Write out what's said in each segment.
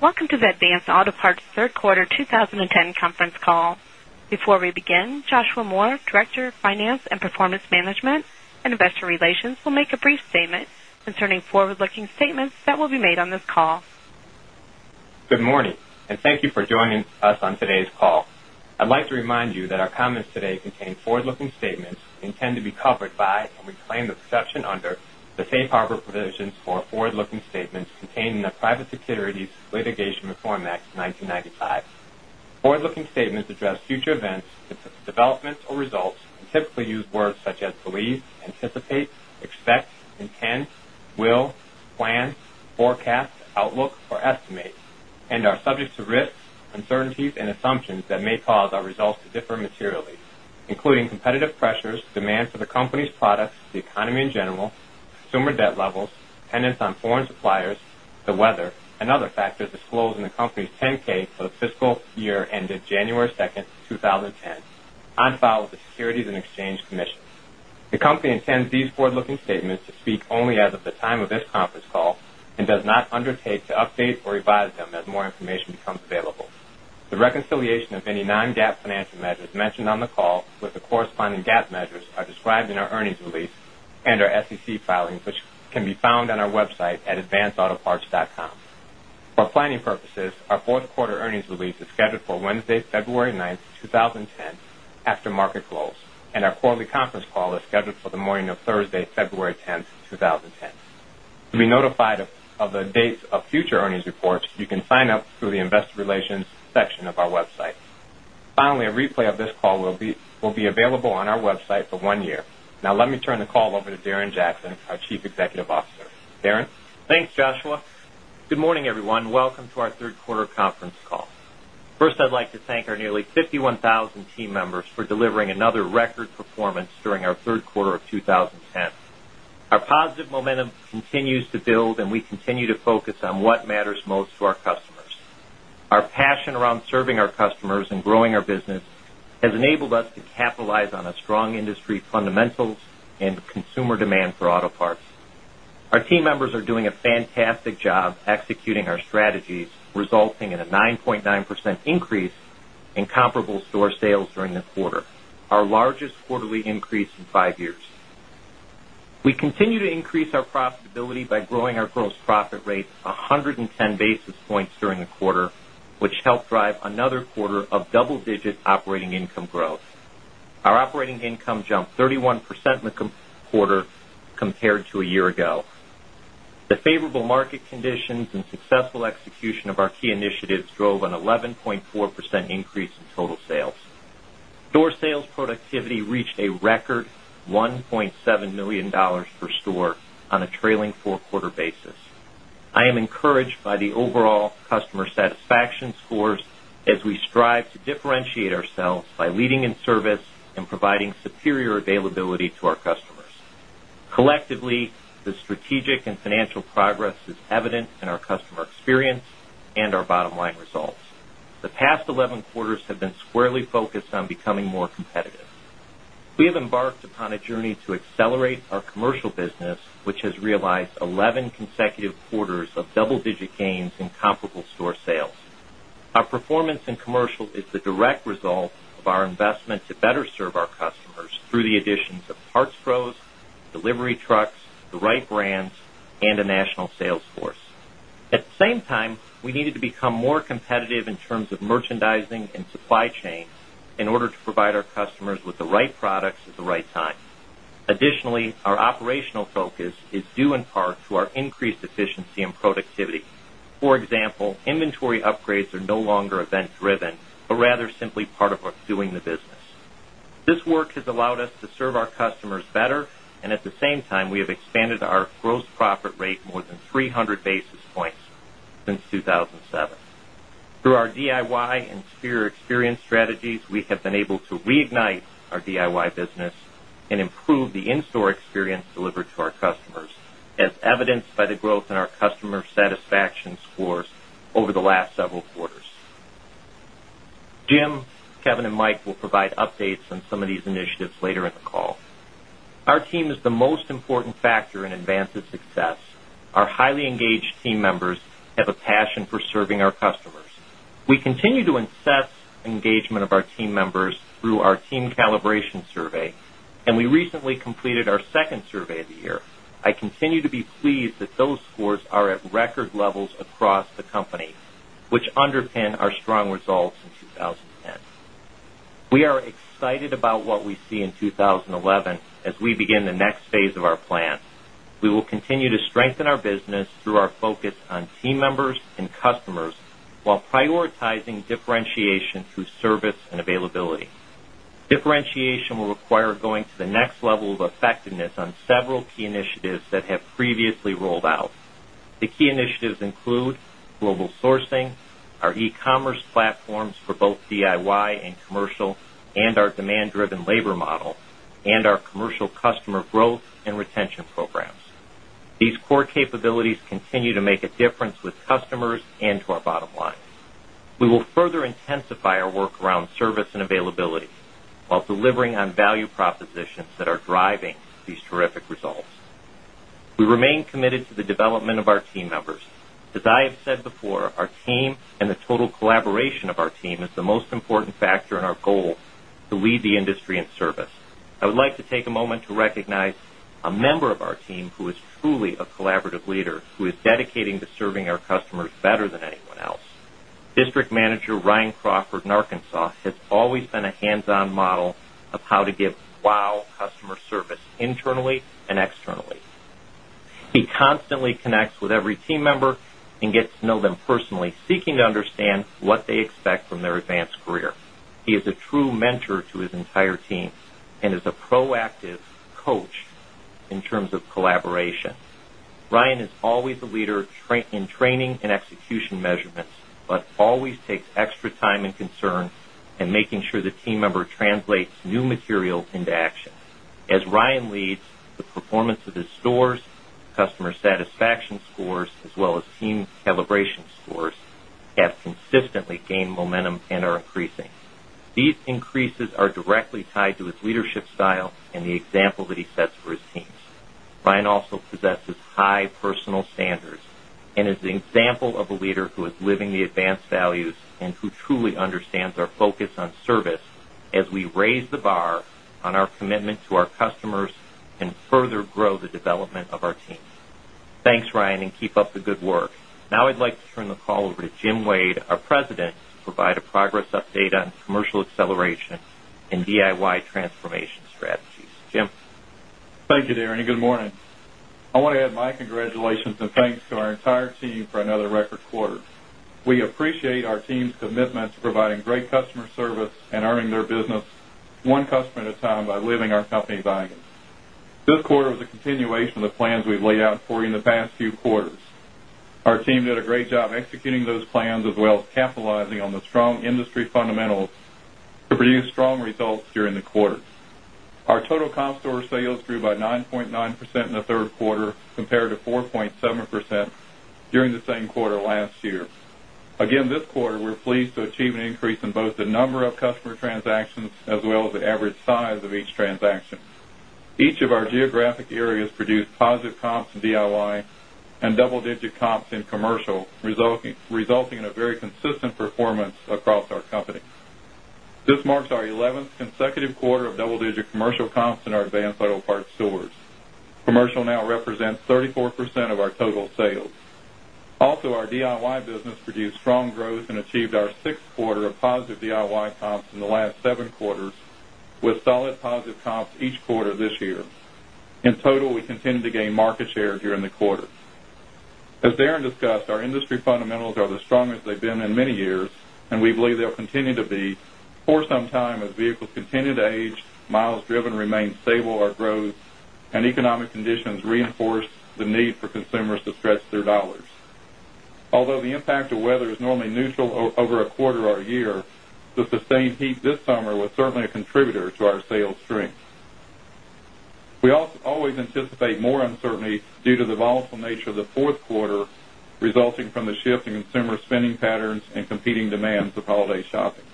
Welcome to the Advanced Auto Parts Third Quarter 2010 Conference Call. Before we begin, Joshua Moore, Director, Finance and Performance Management and Investor Relations will make a brief statement concerning forward looking statements that will be made on this call. Good morning and thank you for joining us on today's call. I'd like to remind you that our comments today contain forward looking statements intend to be covered by and we claim the protection under the Safe Harbor provisions or forward looking statements contained in the Private Securities Litigation Reform Act of 1995. Forward looking statements address future events, developments or results and typically use words such as believe, anticipate, expect, intend, will, plan, forecast, outlook or estimate and are subject to risks, uncertainties and assumptions that may cause our results to differ materially, including competitive pressures, demand for the company's products, the economy in general, consumer debt levels, dependence on foreign suppliers, the weather and other factors disclosed in the company's 10 ks for the fiscal year ended January 2, 2010, on file with the Securities and Exchange Commission. The company intends these forward looking statements to speak only as of the time of this conference call and does not undertake to update or revise them as more information becomes available. The reconciliation of any non GAAP financial measures mentioned on the call with the corresponding GAAP measures are described in our earnings release and our SEC filings, which can be found on our website at advancedautoparts.com. For planning purposes, our Q4 earnings release is scheduled for Wednesday, February 9, 2010, after market close Our quarterly conference call is scheduled for the morning of Thursday, February 10, 2010. To be notified of the dates of future earnings reports, you can sign up through the Investor Relations section of our website. Finally, a replay of this call will be available on our website for 1 year. Now let me turn the call over to Darren Jackson, our Chief Executive Officer. Darren? Thanks, Joshua. Good morning, everyone. Welcome to our Q3 conference call. First, I'd like to thank our nearly 51,000 team members for delivering another record performance during our Q3 of 2010. Our positive momentum continues to build and we continue to focus on what matters most to our customers. Our passion around serving our customers and growing our business has enabled us to capitalize on a strong industry fundamentals and consumer demand for auto parts. Our team members are doing a fantastic job executing our strategies resulting in a 9.9% increase in comparable store sales during the quarter, our largest quarterly increase in 5 years. We continue to increase our profitability by growing our gross profit rate 110 basis points during the quarter, which helped drive another quarter of double digit operating income growth. Our operating income jumped 31% in the quarter compared to a year ago. The favorable market conditions and successful execution of our key initiatives drove an 11.4% increase in total sales. Store sales productivity reached a record 1,700,000 dollars per store on a trailing 4 quarter basis. I am encouraged by the overall customer satisfaction scores as we strive to differentiate ourselves by leading in service and providing superior availability to our customers. Collectively, the strategic and financial progress is evident in our customer experience and our bottom line results. The past 11 quarters have been squarely focused on becoming more competitive. We have embarked upon a journey to accelerate our commercial business, which has realized 11 consecutive quarters of double digit gains in comparable store sales. Our performance in commercial is the direct result of our investment to better serve our customers through the additions of parts pros, delivery trucks, the right brands and a national sales force. At the same time, we needed to become more competitive in terms of merchandising and supply chain in order to provide our customers with the right products at the right time. Additionally, our operational focus is due in part to our increased efficiency and productivity. For example, inventory upgrades are no longer event driven, but rather simply part of doing the business. This work has allowed us to serve our customers better and at the same time we have expanded our gross profit rate more than 300 basis points since 2007. Through our DIY and Sphere experience strategies we have been able to reignite our DIY business and improve the in store experience delivered to our customers as evidenced by the growth in our customer satisfaction scores over the last several quarters. Jim, Kevin and Mike will provide updates on some of these initiatives later in the call. Our team is the most important factor in Advance's success. Our highly engaged team members have a passion for serving our customers. We continue to assess engagement of our team members through our team calibration survey and we recently completed our 2nd survey of the year. I continue to be pleased that those scores are at record levels across the company, underpin our strong results in 2010. We are excited about what we see in 2011 as we begin the next phase of our plan. We will continue to strengthen our business through our focus on team members and customers, while prioritizing differentiation through service and availability. Differentiation will require going to the next level of effectiveness on several key initiatives that have previously rolled out. The key initiatives include global sourcing, our e commerce platforms for both DIY and commercial and our demand driven labor model and our commercial customer growth and retention programs. These core capabilities continue to make a difference with customers and to our bottom line. We will further intensify our work around service and availability, while delivering on value propositions that are driving these terrific results. We remain committed to the development of our team members. As I have said before, our team and the total collaboration of our team is the most important factor in our goal to lead the industry in service. I would like to take a moment to recognize a member of our team who is truly a collaborative leader, who is dedicating to serving our customers better than anyone else. District Manager Ryan Crawford in Arkansas has always been a hands on model of how to give Wow! Customer service internally and externally. He constantly connects with every team member and gets to know them personally seeking to understand what they expect from their advanced career. He is a true mentor to his entire team and is a proactive coach in terms of collaboration. Ryan is always a leader in training and execution measurements, but always takes extra time and concern and making sure the team member translates new material into action. As Ryan leads, the performance of his stores, customer satisfaction scores as well as team calibration scores have consistently gained momentum and increases are directly tied to his leadership style and the example that he sets for his teams. Brian also possesses high personal standards and is the example of a leader who is living the advanced values and who truly understands our focus on service as we raise the bar on our commitment to our customers and further grow the development of our team. Thanks, Ryan, and keep up the good work. Now I'd like to turn the call over to Jim Wade, our President, to provide a progress update commercial acceleration and DIY transformation strategies. Jim? Thank you, Darren and good morning. I want to add my congratulations and thanks to our entire team for another record quarter. We appreciate our team's commitment to providing great customer service and earning their business one customer at a time by leaving our company buying it. This quarter was a continuation of the plans we've laid out for you in the past few quarters. Our team did a great job executing those plans as well as capitalizing on the strong industry fundamentals to produce strong results during the quarter. Our total comp store sales grew by 9.9% in the Q3 compared to 4.7% during the same quarter last year. Again, this quarter, we're pleased to achieve an increase in both the number of customer transactions as well as the average size of each transaction. Each of our geographic areas produced positive comps in DIY and double digit comps in commercial, resulting in a very consistent performance across our company. This marks our 11th consecutive quarter of double digit commercial comps in our Advanced Auto Parts stores. Commercial now represents 34% of our total sales. Also our DIY business produced strong growth and achieved our 6th quarter of positive DIY comps in the last 7 quarters with solid positive comps each quarter this year. In total, we continue to gain market share during the quarter. As Darren discussed, our industry fundamentals are the strongest they've been in many years and we believe they'll continue to be for some time as vehicles continue to age, miles driven remain stable, our growth and economic conditions reinforce the need for consumers to stretch their dollars. Although the impact of weather is normally neutral over a quarter or a year, the sustained heat this summer was certainly a contributor to our sales strength. We always anticipate more uncertainty due to the volatile nature of the 4th quarter resulting from the shift in consumer spending patterns and competing demands of holiday shopping.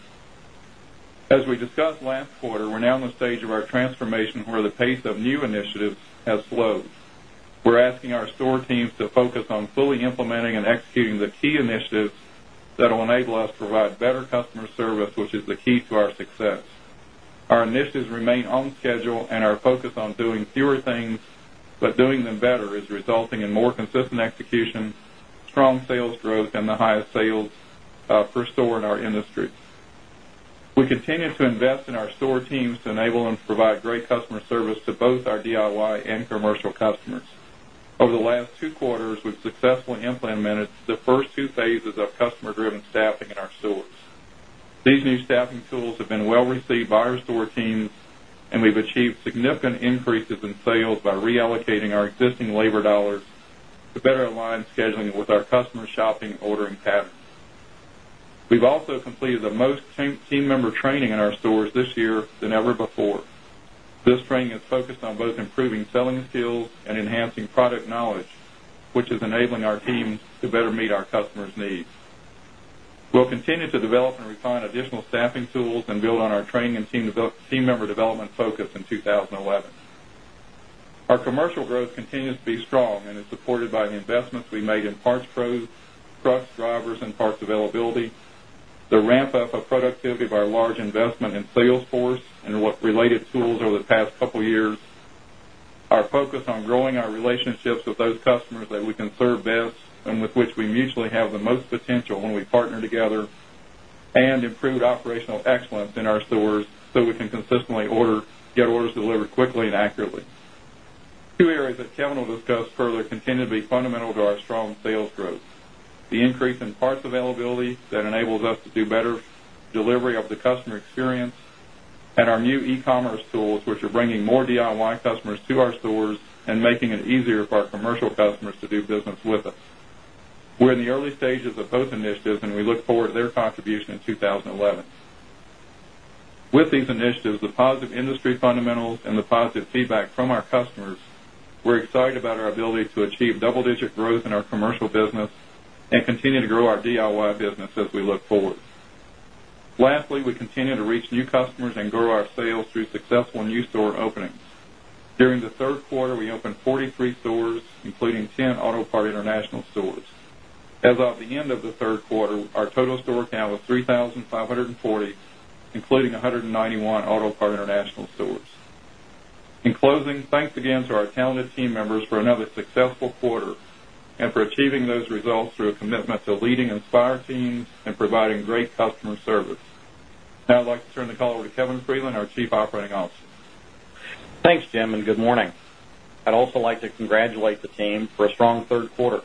As we discussed last quarter, we're now in the stage of our transformation where the pace of new initiatives has slowed. We're asking our store teams to focus on fully implementing and executing the key initiatives that will enable us to provide better customer service, which is the key to our success. Our initiatives remain on schedule and our focus on doing fewer things, but doing them better is resulting in more consistent execution, strong sales growth and the highest sales per store in our industry. We continue to invest in our store teams to enable and to provide great customer service to both our DIY and commercial customers. Over the last two quarters, we've successfully implemented the first two phases of customer driven staffing in our stores. These new staffing tools have been well received by our store teams and we've achieved significant increases in sales by reallocating our existing labor dollars to better align scheduling with our customer shopping ordering patterns. We've also completed the most team member training in our stores this year than ever before. This training is focused on both improving selling skills and enhancing product knowledge, which is enabling our teams to better meet our customers' needs. We'll continue to develop and refine additional staffing tools and build on our training and team member development focus in 2011. Our commercial growth continues to be strong and is supported by the investments we made in parts pros, trucks, drivers and parts availability, the ramp up of productivity by our large investment in sales force and related tools over the past couple of years, our focus on growing our relationships with those customers that we can serve best and with which we mutually have the most potential when we partner together and improved operational excellence in our stores so we can fundamental to our strong sales growth. The increase in parts availability that enables us to do better delivery of the customer experience and our new e commerce tools, which are bringing more DIY customers to our stores and making it easier for our commercial customers to do business with us. We're in the early stages of both initiatives and we look forward to their contribution in 2011. With these initiatives, the positive industry fundamentals and the positive feedback from our customers, we're excited about our ability to achieve double digit growth in our commercial business and continue to grow our DIY business as we look forward. Lastly, we continue to reach new customers and grow our sales through successful new store openings. During the Q3, we opened 43 stores, including 10 Auto Parts International stores. As of the end of the Q3, our total store count was 3,500 and 40, including 191 Auto Parts International Stores. In closing, thanks again to our talented team members for another successful quarter and for achieving those results through a commitment to leading Inspire teams and providing great customer service. Now I'd like to turn the call over to Kevin Freeland, our Chief Operating Officer. Thanks, Jim, and good morning. I'd also like to congratulate the team for a strong Q3.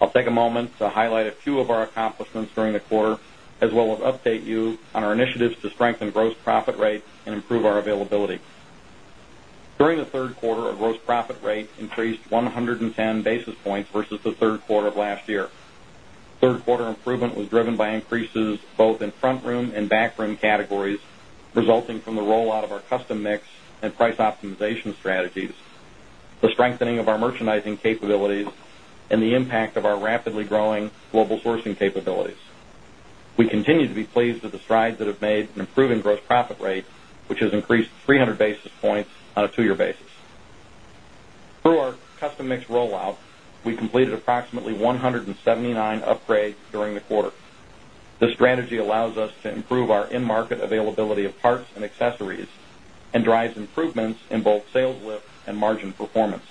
I'll take a moment to highlight a few of our accomplishments during the quarter as well as update you on our initiatives to strengthen gross profit rates and improve our availability. During the Q3, our gross profit rate increased 110 basis points versus the Q3 of last year. 3rd quarter improvement was driven by increases both in front room and back room categories resulting from the rollout of our custom mix and price optimization strategies, the strengthening of our merchandising capabilities and the impact of our rapidly growing global sourcing capabilities. We continue to be pleased with the strides that have made an improving gross profit rate, which has increased 300 basis points on a 2 year basis. Through our custom mix rollout, we completed approximately 179 upgrades during the quarter. The strategy allows us to improve our in market availability of parts and accessories and drives improvements in both sales lift and margin performance.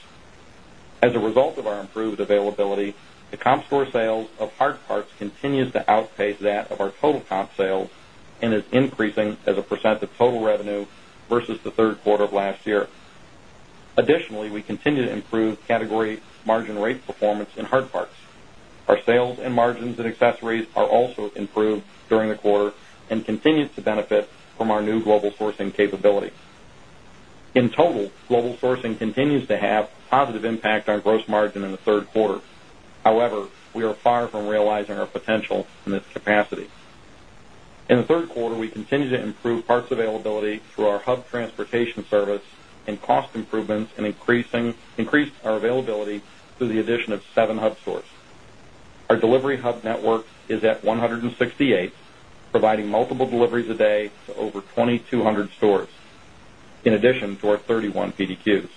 As a result of our improved availability, the comp store sales of hard parts continues to outpace that of our total comp sales and is increasing as a percent of total revenue versus the Q3 of last year. Additionally, we continue to improve category margin rate performance in hard parts. Our sales and margins in accessories are also improved during the quarter and continued to benefit from our new global sourcing capability. In total, global sourcing continues to have positive impact on gross margin in the Q3. However, we are far from realizing our potential in this capacity. In the Q3, we continue to improve parts availability through our hub transportation service and cost improvements and increasing increased our availability through the addition of 7 hub stores. Our delivery hub network is at multiple deliveries a day to over 2,200 stores, in addition to our 31 PDQs.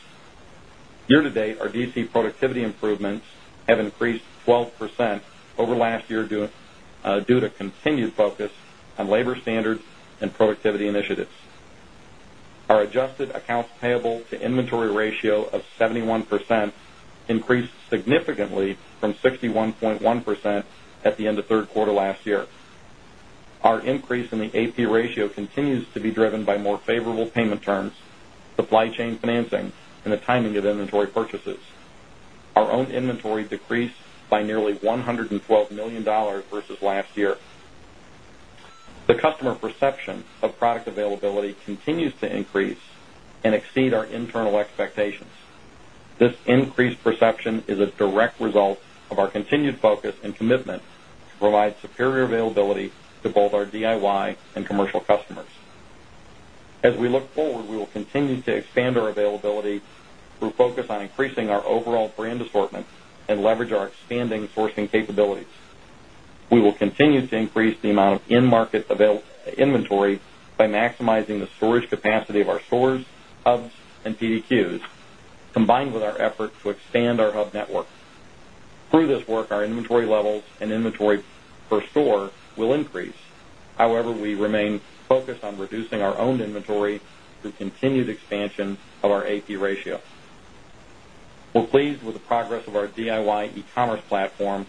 Year to date, our DC productivity improvements have increased 12% over last year due to continued focus on labor standards and productivity initiatives. Our adjusted accounts payable to inventory ratio of 71% increased significantly from 61.1% at the end of Q3 last year. Our increase in the AP ratio continues to be driven by more favorable payment terms, supply chain financing and the timing of inventory purchases. Our own inventory decreased by nearly $112,000,000 versus last year. The customer perception of product availability continues to increase and exceed our internal expectations. This increased perception is a direct result of our continued focus and commitment to provide superior availability to both our DIY and commercial customers. As we look forward, we will continue to expand our availability through focus on increasing our overall brand assortment and leverage our expanding sourcing capabilities. We will continue to increase the amount of in market inventory by maximizing the storage capacity of our stores, hubs and PDQs combined with our efforts to expand our hub network. Through this work, our inventory levels and inventory per store will increase. However, we remain focused on reducing our owned inventory through continued expansion of our AP ratio. We're pleased with the progress of our DIY e commerce platform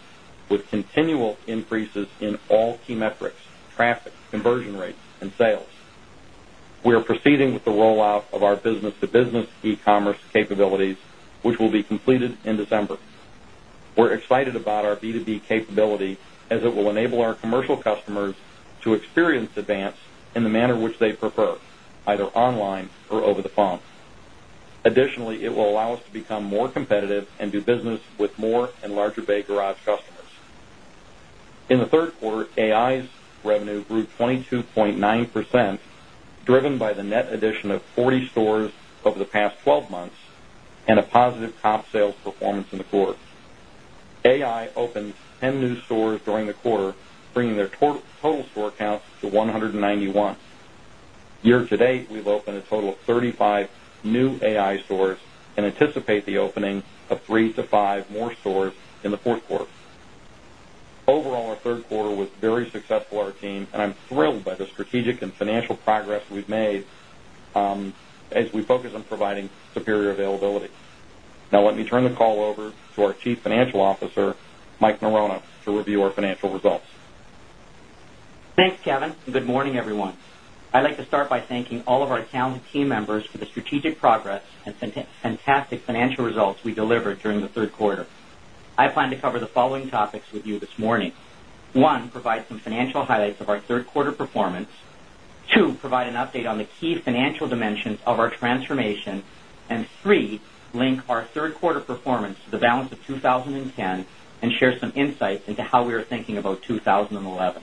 with continual increases in all key metrics traffic, conversion rates and sales. We are proceeding with the rollout of our business to business e commerce capabilities, which will be completed in December. We're excited about our B2B capability as it will enable our commercial customers to experience Advance in the manner which they prefer, either online or over the phone. Additionally, it will allow us to become more competitive and do business with more and larger Bay Garage customers. In the 3rd quarter, AI's revenue grew 22.9% driven by the net addition of 40 stores over the past 12 months and a positive comp sales performance in the quarter. AI opened 10 new stores during the quarter bringing their total store counts to 191. Year to date, we've opened a total of 35 new AI stores and anticipate the opening of 3 to 5 more stores in the Q4. Overall, our Q3 was very successful our team and I'm thrilled by the strategic and financial progress we've made as we focus on providing superior availability. Now let me turn the call over to our Chief Financial Officer, Mike Norono to review our financial results. Thanks, Kevin, and good morning, everyone. I'd like to start by thanking all of our talented team members for the strategic progress and fantastic financial results we delivered during the Q3. I plan to cover the following topics with you this morning. 1, provide some financial highlights of our Q3 performance 2, provide an update on the key financial dimensions of our transformation and 3, link our Q3 performance to the balance of 2010 and share some insights into how we are thinking about 2011.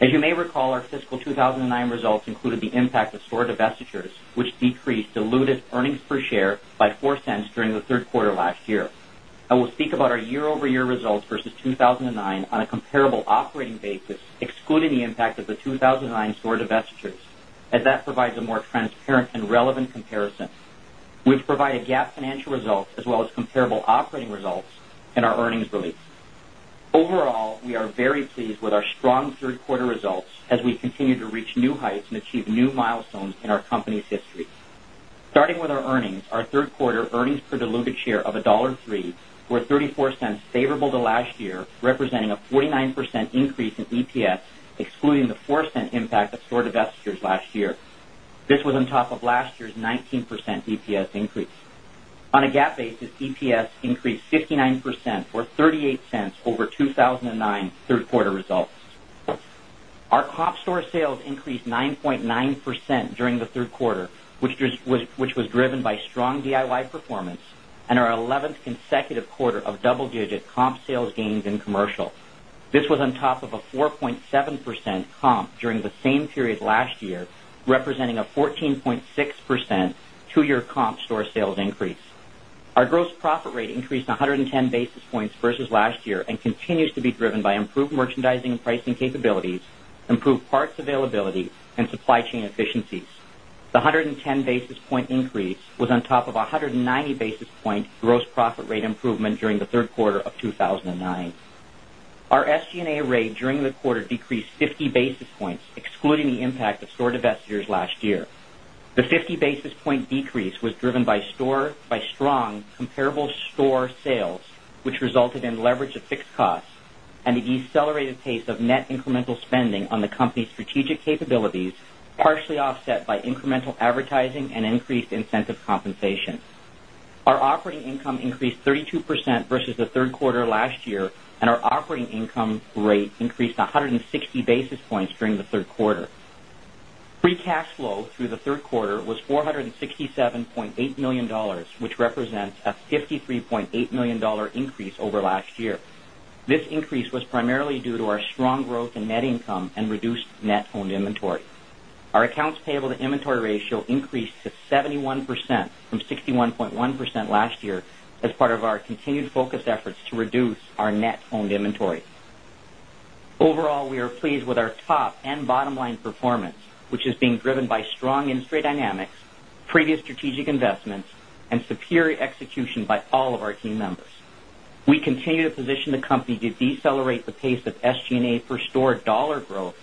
As you may recall, our fiscal 2019 results included the impact of store divestitures, which decreased diluted earnings per share by $0.04 during the Q3 last year. I will speak about our year over year results versus 2,009 on a comparable operating basis excluding the impact of the 2,009 store divestitures as that provides a more transparent and relevant comparison, which provided GAAP financial results as well as comparable operating results in our earnings release. Overall, we are very pleased with our strong Q3 results as we continue to reach new heights and achieve new milestones in our company's history. Starting with our earnings, our 3rd quarter earnings per diluted share of 1 $4 favorable to last year, representing a 49% increase in EPS excluding the $0.04 impact of store divestitures last year. This was on top of last year's 19% EPS increase. On a GAAP basis, EPS increased 59% or $0.38 over 2,009 Q3 results. Our comp store sales increased 9.9% during the Q3, which was driven by strong DIY performance and our 11th consecutive quarter of double digit comp sales gains in commercial. This was on top of a 4.7% comp during the same period last year, representing a 14.6 2 year comp store sales increase. Our gross profit rate increased 110 basis points versus last year and continues to be driven by improved merchandising and pricing capabilities, improved parts availability and supply chain efficiencies. The 110 basis point increase was on top of 190 basis point gross profit rate improvement during the Q3 of 2009. Our SG and A rate during the quarter decreased 50 basis points excluding the impact of store divestitures last year. The 50 basis point decrease was driven by store by strong comparable store sales, which resulted in leverage of fixed costs and the accelerated pace of net incremental spending on the company's strategic capabilities, partially offset by incremental advertising and increased incentive compensation. Our operating income increased 32% versus the Q3 last year and our operating income rate increased 160 basis points during the Q3. Free cash flow through the Q3 was 467.8 dollars which represents a $53,800,000 increase over last year. This increase was primarily due to our strong growth in net income and reduced net owned inventory. Our accounts payable inventory ratio increased to 71% from 61.1% last year as part of our continued focus efforts to reduce our net owned inventory. Overall, we are pleased with our top and bottom line performance, which is being driven by strong industry dynamics, previous strategic investments and superior execution by all of our team members. We continue to position the company to decelerate the pace of SG and A per store dollar growth,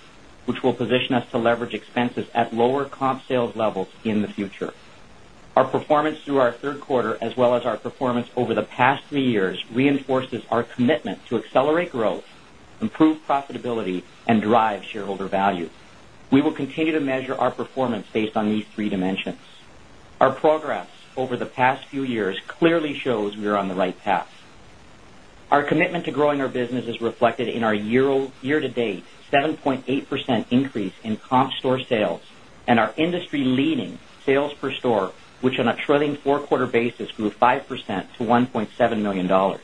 which will position us to leverage expenses at lower comp sales levels in the future. Our performance through our Q3 as well as our performance over the past 3 years reinforces our commitment to accelerate growth, improve profitability and drive shareholder value. We will continue to measure our performance based on these three dimensions. Our progress over the past few years clearly shows we are on the right path. Our commitment to growing our business is reflected in our year to date 7.8% increase in comp store sales and our industry leading sales per store, which on a trailing 4 quarter basis grew 5% to $1,700,000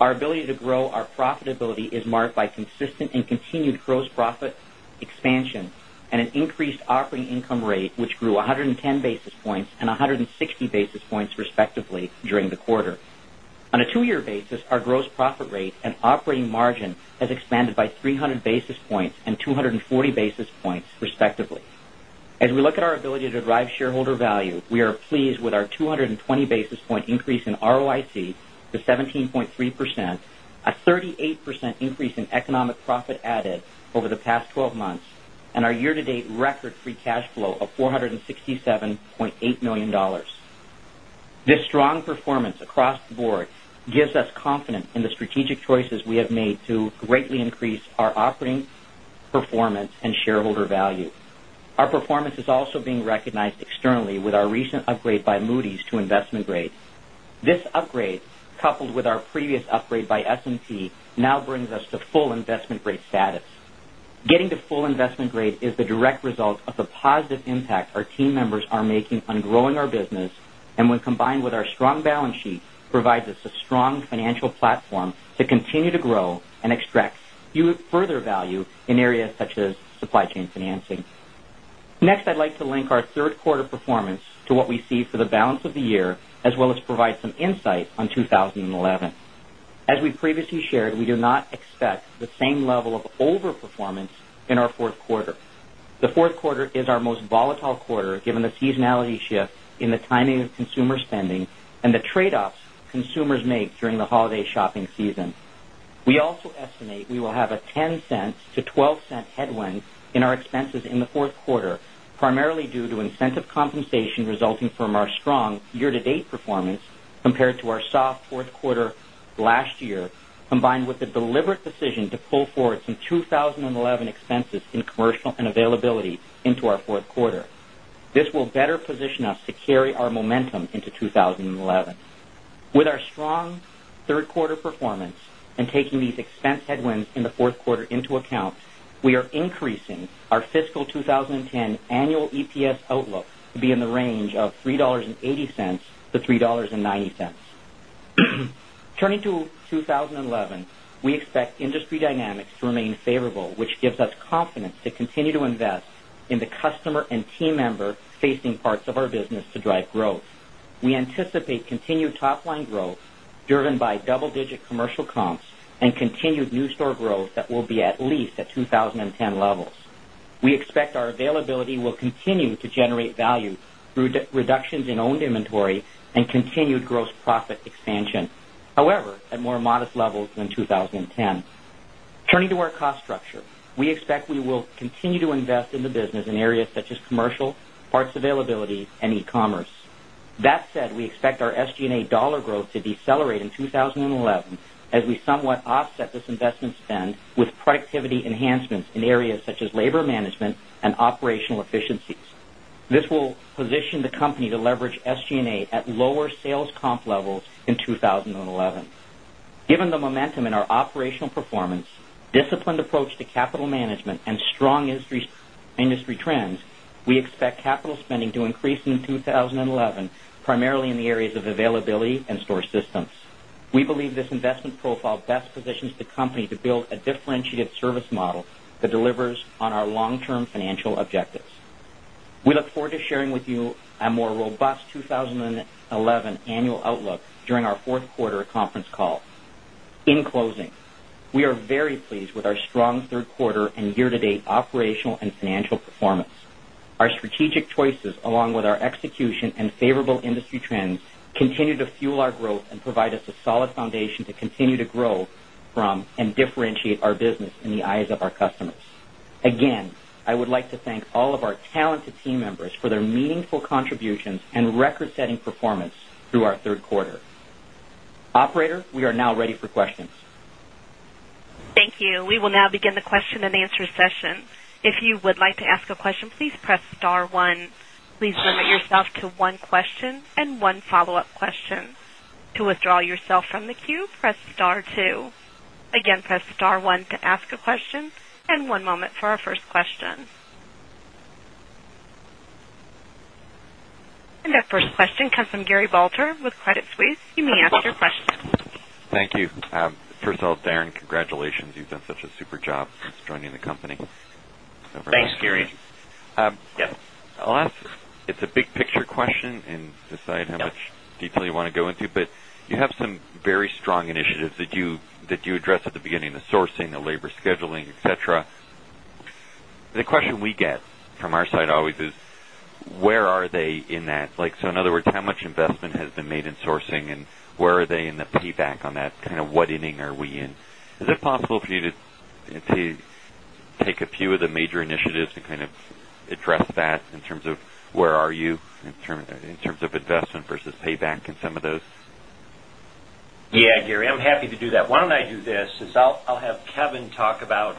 Our ability to grow our profitability is marked by consistent and continued gross profit expansion and an increased operating income rate, which grew 110 basis points and 160 basis points respectively during the quarter. On a 2 year basis, our gross profit rate and operating margin has expanded by 300 basis points and 240 basis points respectively. As we look at our ability to drive shareholder value, we are pleased with our 220 basis point increase in ROIC to 17.3%, a 38% increase in economic profit added over the past 12 months and our year to date record free cash flow of $467,800,000 This strong performance across the board gives us confidence in the strategic choices we have made to greatly increase our operating performance and shareholder value. Our performance is also being recognized externally with our recent upgrade by Moody's to investment grade. This upgrade coupled with our previous upgrade by S and T now brings us to full investment grade status. Getting to full investment grade is the direct result of the positive impact our team members are making on growing our business and when combined with our strong balance sheet provides us a strong financial platform to continue to grow and extract further value in areas such as supply chain financing. Next, I'd like to link our Q3 performance to what we see for the balance of the year as well as provide some insight on 2011. As we previously shared, we do not expect the same level of over performance in our Q4. The Q4 is our most volatile quarter given the seasonality shift in the timing of consumer spending and the trade offs consumers make during the holiday shopping season. And the trade offs consumers make during the holiday shopping season. We also estimate we will have a $0.10 to 0 point 12 compensation resulting from our strong year to date performance compared to our soft Q4 last year combined with the deliberate decision to pull forward some 2011 expenses in commercial and availability into our Q4. This will better position us to carry our momentum into 2011. With our strong Q3 performance and taking these expense headwinds in the Q4 into account, we are increasing our fiscal 2010 annual EPS outlook be in the range of $3.80 to $3.90 Turning to 2011, we expect industry dynamics to remain favorable, which gives us confidence to continue to invest in the customer and team member facing parts of our business to drive growth. We anticipate continued top line growth driven by double digit commercial comps and continued new store growth that will be at least at 20.10 levels. We expect our availability will continue to generate value through reductions in owned inventory and continued gross profit expansion, however, at more modest levels than 2010. Turning to our cost structure. We expect we will continue to invest in the business in areas such as commercial, parts availability and e commerce. That said, we expect our SG and A dollar growth to decelerate in 2011 as we somewhat offset this investment spend with productivity enhancements in areas such as labor management and operational efficiencies. This will position the company to leverage SG and A at lower sales comp levels in 2011. Given the momentum in our operational performance, disciplined approach to capital management and strong industry trends, we expect capital spending to increase in 2011, primarily in the areas of availability and store systems. We believe this investment profile best positions the company to build a differentiated service model that delivers on our long term financial objectives. We look forward to sharing with you a more robust 2011 annual outlook during our Q4 conference call. In closing, we are very pleased with our strong Q3 and year to date operational and financial performance. Our strategic choices along with our execution and favorable industry trends continue to fuel our growth and provide us a solid foundation to continue to grow from and differentiate our business in the eyes of our customers. Again, I would like to thank all of our talented team members for their meaningful contributions and record setting performance through our Q3. Operator, we are now ready for questions. Thank you. We will now begin the question and answer session. And our first question comes from Gary Vaucher with Credit Suisse. You may ask your question. Thank you. First of all, Darren, congratulations. You've done such a super job since joining the company. Thanks, Gary. Yes. I'll ask it's a big picture question and decide how much detail you want to go into, but you have some very strong initiatives that you address at the beginning, the sourcing, the labor scheduling, etcetera. The question we get from our side always is, where are they in that? Like, so in other words, how much investment has been made in sourcing and where are they in the payback on that, kind of what inning are we in? Is it possible for you to take a few of the major initiatives to kind of address that in terms of where are you in terms of investment versus payback in some of those? Yeah, Gary. I'm happy to do that. Why don't I do this, is I'll have Kevin talk about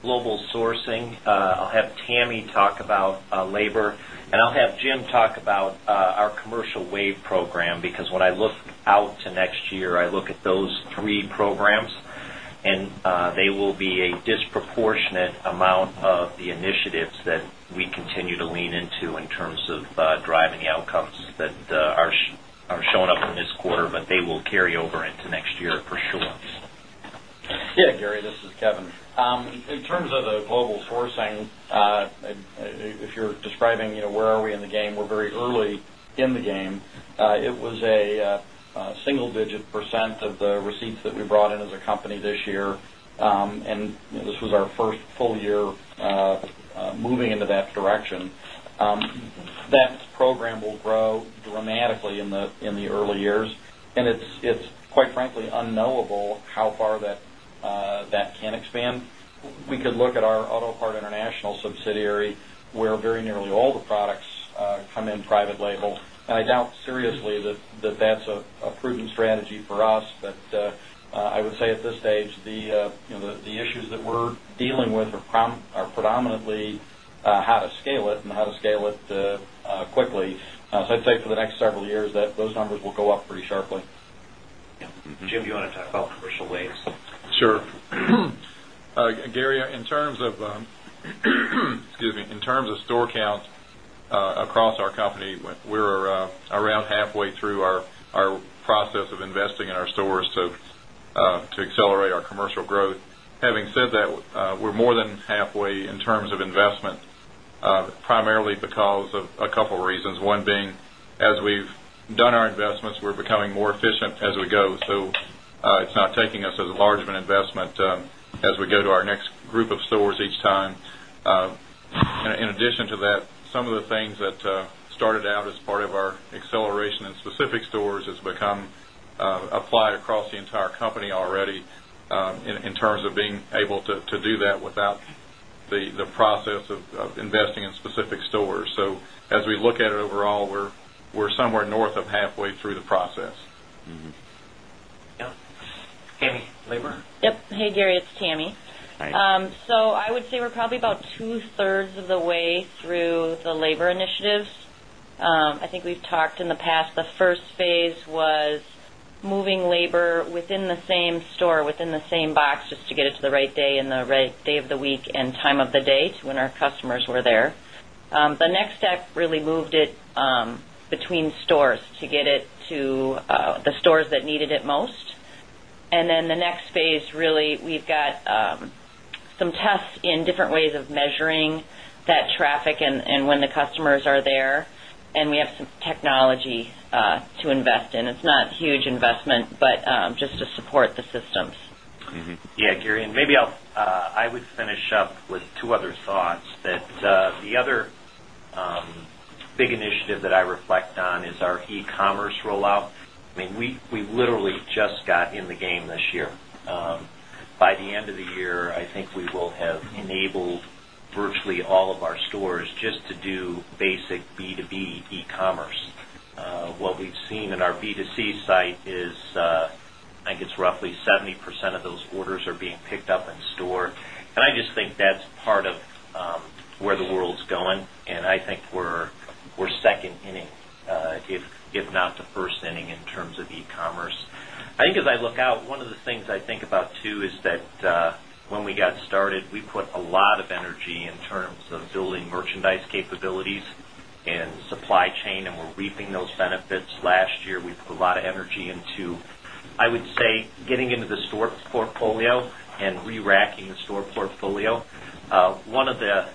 global sourcing. I'll have Tammy talk about labor. And I'll have Jim talk about our commercial wave program, because when I look out to next year, I look at those 3 programs and they will be a disproportionate amount of the initiatives that we continue to lean into in terms of driving the outcomes that are showing up in this quarter, but they will carry over into next year for sure. Yes, Gary, this is Kevin. In terms of the global sourcing, if you're describing where are we in the game, we're very early in the game. It was a single digit percent of the receipts that we brought in as a company this year. And this was our 1st full year moving into that direction. That program will grow dramatically in the early years. And it's quite frankly unknowable how far that can expand. We could look at our Auto Parts International subsidiary where very nearly all the products come in private label. I doubt seriously that that's a prudent strategy for us. But I would say at this stage, the issues that we're dealing with are predominantly how to scale it and how to scale it quickly. So I'd say for the next several years that those numbers will go up pretty sharply. Jim, do you want to talk about commercial waves? Sure. Gary, in terms of store count across our company, we're around halfway through our process of investing in our stores to accelerate our commercial growth. Having said that, we're more than halfway in terms of investment, primarily because of a couple of reasons. One being, as we've done our investments, we're becoming more efficient as we go. So, it's not taking us as a large of an investment as we go to our next group of stores each time. In addition to that, some of the things that started out as part of our acceleration in specific stores has become applied across the entire company already in terms of being able to do that without the process of investing in specific stores. So as we look at it overall, we're somewhere north of halfway through the process. Yes. Tammy, labor? Yes. Hey, Gary, it's Tammy. So I would say we're probably about 2 thirds of the way through the labor initiatives. I think we've talked in the past, the first phase was moving labor within the same store, within the same box just to get it to the right day and the right day of the week and time of the day when our customers were there. The next step really moved it between stores to get it to the stores that needed it most. And then the next phase really we've got some tests in different ways of measuring that traffic and when the customers are there. And we have some technology to invest in. It's not huge investment, but just to support the systems. Yes, Gary. And maybe I would finish up with 2 other thoughts that the other big initiative that I reflect on is our e commerce rollout. I mean, we literally just got in the game this year. By the end of the year, I think we will have enabled virtually all of our stores just to do basic B2B e commerce. What we've seen in our B2C site is, I guess, roughly 70% of those orders are being picked up in store. And I just think that's part of where the world's going. And I think we're 2nd inning, if not the 1st inning in terms of e commerce. I think as I look out, one of the things I think about too is that when we got started, we put a lot of energy in terms of building merchandise capabilities and supply chain and we're reaping those benefits. Last year, we put a lot of energy into, I would say, getting into the store portfolio and reracking the store portfolio. One of the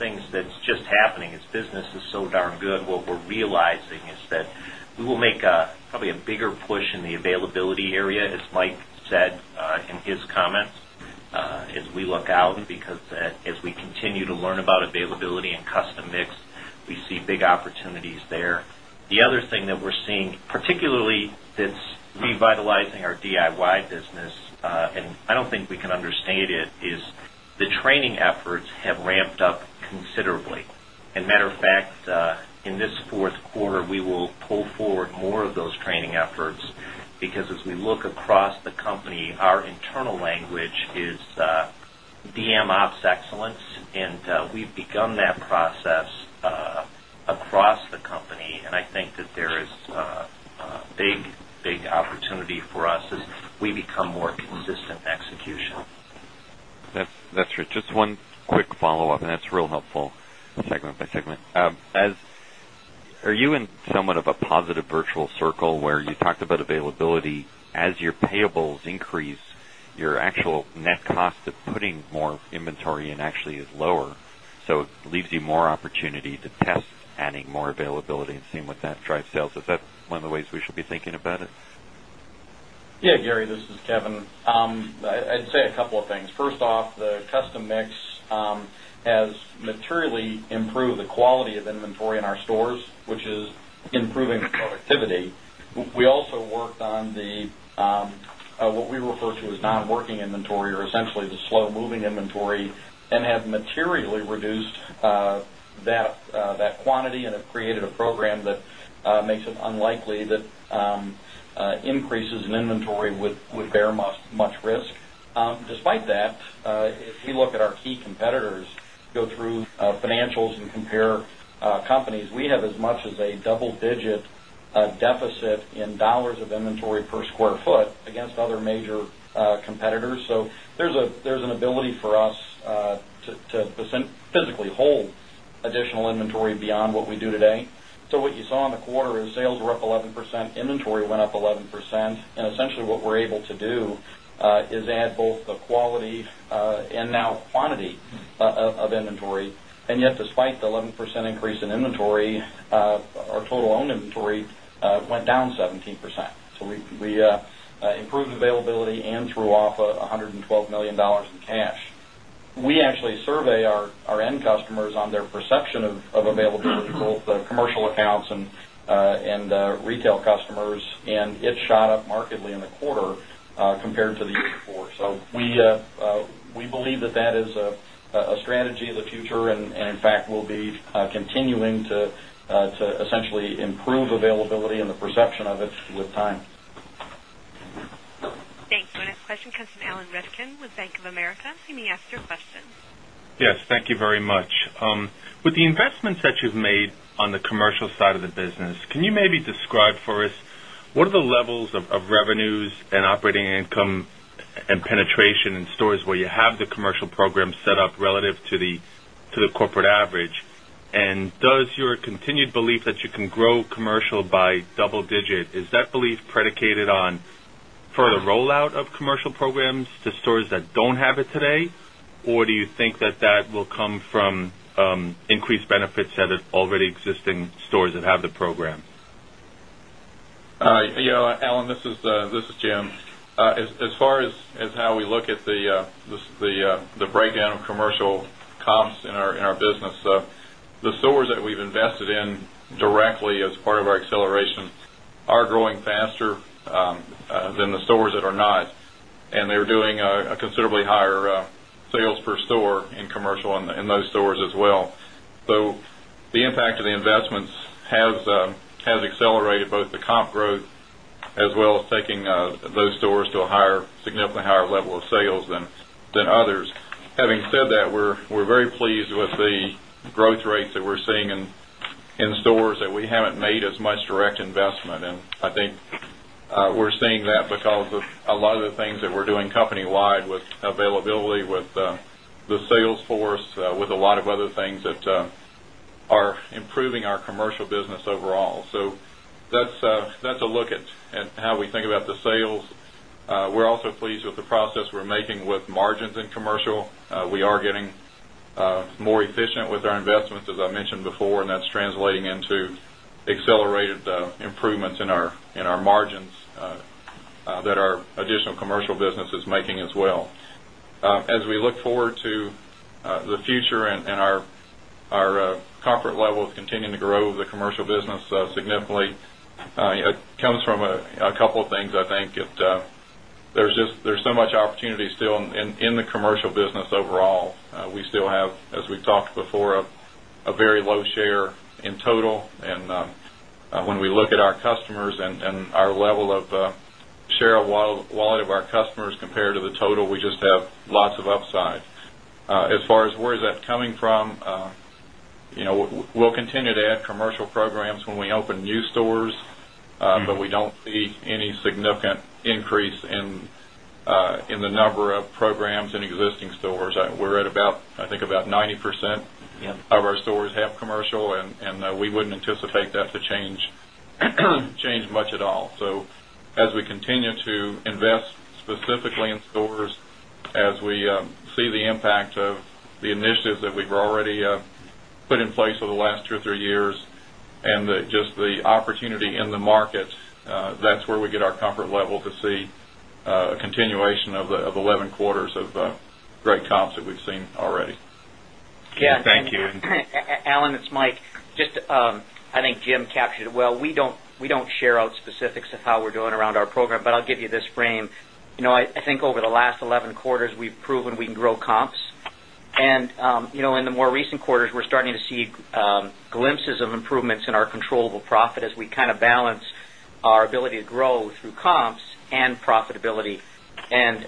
things that's just happening is business is so darn good. What we're realizing is that we will make probably a bigger push in the availability area, as Mike said in his comments, as we look out because as we continue to learn about availability and custom mix, we see big opportunities there. The other thing that we're seeing, particularly that's revitalizing our DIY business, and I don't think we can understand it is the training efforts have ramped up considerably. And matter of fact, in this Q4, we will pull forward more of those training efforts because as we look across the company, our internal language is DM ops excellence and we've begun that process across the company. And I think that there is a big, big opportunity for us as we become more consistent execution. That's true. Just one quick follow-up and that's real helpful segment by segment. As Are you in somewhat of a positive virtual circle where you talked about availability as your payables increase, your actual net cost of putting more inventory in actually is lower. So it leaves you more opportunity to test adding more availability and seeing what that drives sales. Is that one of the ways we should be thinking about it? Yes, Gary, this is Kevin. I'd say a couple of things. First off, the custom mix has materially improved the quality of inventory in our stores, which is improving productivity. We also worked on the what we refer to as non working inventory or essentially the slow moving inventory and have materially reduced that quantity and have created a program that makes it unlikely that increases in inventory would bear much risk. Despite that, if you look at our key competitors, go through financials and compare companies, we have as much as a double digit deficit in dollars of inventory per square foot against other major competitors. So there's an ability for us to physically hold additional inventory beyond what we do today. So, what you saw in the quarter is sales were up 11%, inventory went up 11%, and essentially what we're able to do is add both the quality and now quantity of inventory. And yet despite the 11% increase in inventory, our total owned inventory went down 17%. So we improved availability and threw off $112,000,000 in cash. We actually survey our end customers on their perception of availability to both the commercial accounts and retail customers and it shot up markedly in the quarter, fact, we'll be continuing to essentially improve availability and the perception of it with time. Thank you. Our next question comes from Alan Rezkin with Bank of America. You may ask your question. Yes. Thank you very much. With the investments that you've made on the commercial side of the business, can you maybe describe for us what are the levels of revenues and operating income and penetration in stores where you have the commercial program set up relative to the corporate average? And does your continued belief that you can grow commercial by double digit, is that belief predicated on further rollout of commercial programs to stores that don't have it today? Or do you think that that will come from increased benefits at already existing stores that have the program? Alan, this is Jim. As far as how we look at the breakdown of commercial comps in our business. The stores that we've invested in directly as part of our acceleration are growing faster than the stores that are not and they're doing a considerably higher sales per store in commercial in those stores as well. So, the impact of the investments has accelerated both the comp growth as well as taking those stores to a higher significantly higher level of sales than others. Having said that, we're very pleased with the growth rates that we're seeing in stores that we haven't made as much direct investment. And I think we're seeing that because of a lot of the things that we're doing company wide with availability, with the sales force with a lot of other things that are improving our commercial business overall. So that's a look at how we think about the sales. We're also pleased with the process we're making with margins in commercial. We are getting more efficient with our investments, as I mentioned before, and that's translating into accelerated improvements in our margins that our additional commercial business is making as well. As we look forward to the future and our corporate level of continuing to grow the commercial business significantly, it comes from a couple of things, I think. There's just there's so much opportunity still in the commercial business overall. We still have, as we've talked before, a very low share of overall. We still have, as we've talked before, a very low share in total. And when we look at our customers and our level of share of wallet of our customers the number in the number of programs in existing stores. We're at about, I think about 90% of our stores have commercial and we wouldn't anticipate that to change much at all. So, as we continue to invest specifically in stores, as we see the impact of the initiatives that we've already put in place over the last 2 or 3 years and just the opportunity in the market, that's where we get our comfort level to see a continuation of 11 quarters of great comps that we've seen already. Thank you. Alan, it's Mike. Just I think Jim captured it well. Don't share out specifics of how we're doing around our program, but I'll give you this frame. I think over the last 11 quarters, we've proven we can grow comps. And in the more recent quarters, we're starting to see glimpses of improvements in our controllable profit as we kind of balance our ability to grow through comps and profitability. And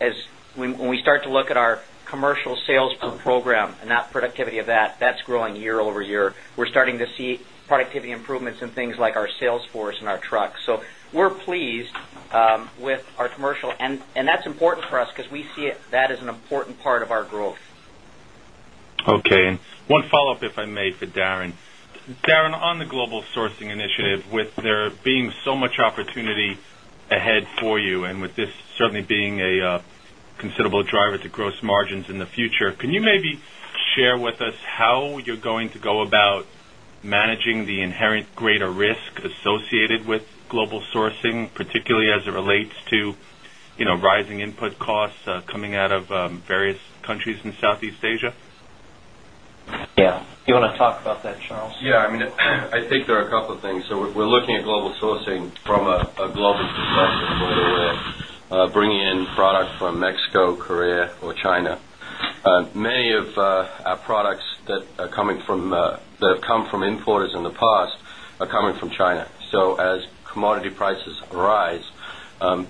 as when we start to look at our commercial sales program and that productivity of that, that's growing year over year. We're starting to see productivity improvements in things like our sales force and our trucks. So we're pleased with our commercial and that's important for us because we see that as an important part of our growth. Okay. And one follow-up if I may for Darren. Darren on the global sourcing initiative with there being so much opportunity ahead for you and with this certainly being a considerable driver to gross margins in the future. Can you maybe share with us how you're going to go about managing the inherent greater risk associated with global sourcing, particularly as it relates to rising input costs coming out of various countries in Southeast Asia? Yes. You want to talk about that, Charles? Yes. I mean, I think there are a couple of things. So, we're looking at global sourcing from a global perspective where we're bringing in product from Mexico, Korea or China. Many of our products that are coming from that have come from importers in the past are coming from China. So, as commodity prices arise,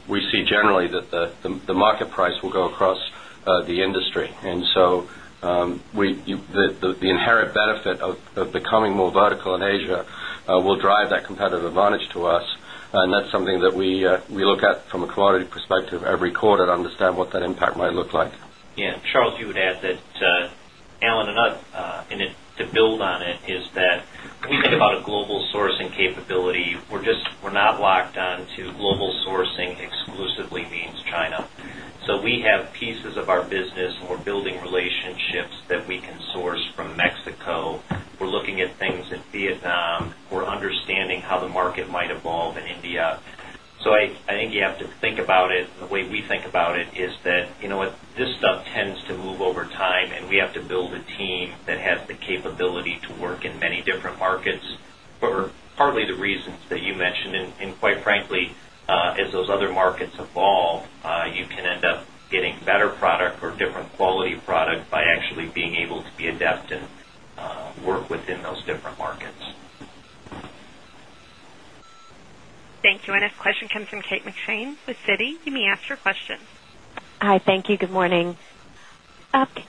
we see generally that the market price will go across the industry. And so, we the inherent benefit of becoming more vertical in Asia will drive that competitive advantage to us. And that's something that we look at from a commodity perspective every quarter to understand what that impact might look like. And Charles, you would add that, Alan, to build on it is that, when we think about a global sourcing capability, we're just we're not locked on to global sourcing exclusively means China. So we have pieces of our business. We're building relationships that we can source from Mexico. We're looking at things in Vietnam. We're understanding how the market might evolve in India. So I think you have to think about it. The way we think about it is that, this stuff tends to move over time and we have to build a team that has the to move over time and we have to build a team that has the capability to work in many different markets for partly the reasons that you mentioned. And quite frankly, as those other markets evolve, you can end up getting better product or different quality product by actually being able to be adept and work within those different markets. Thank you. Our next question comes from Kate McShane with Citi. You may ask your question. Hi, thank you. Good morning. Hi, Kate.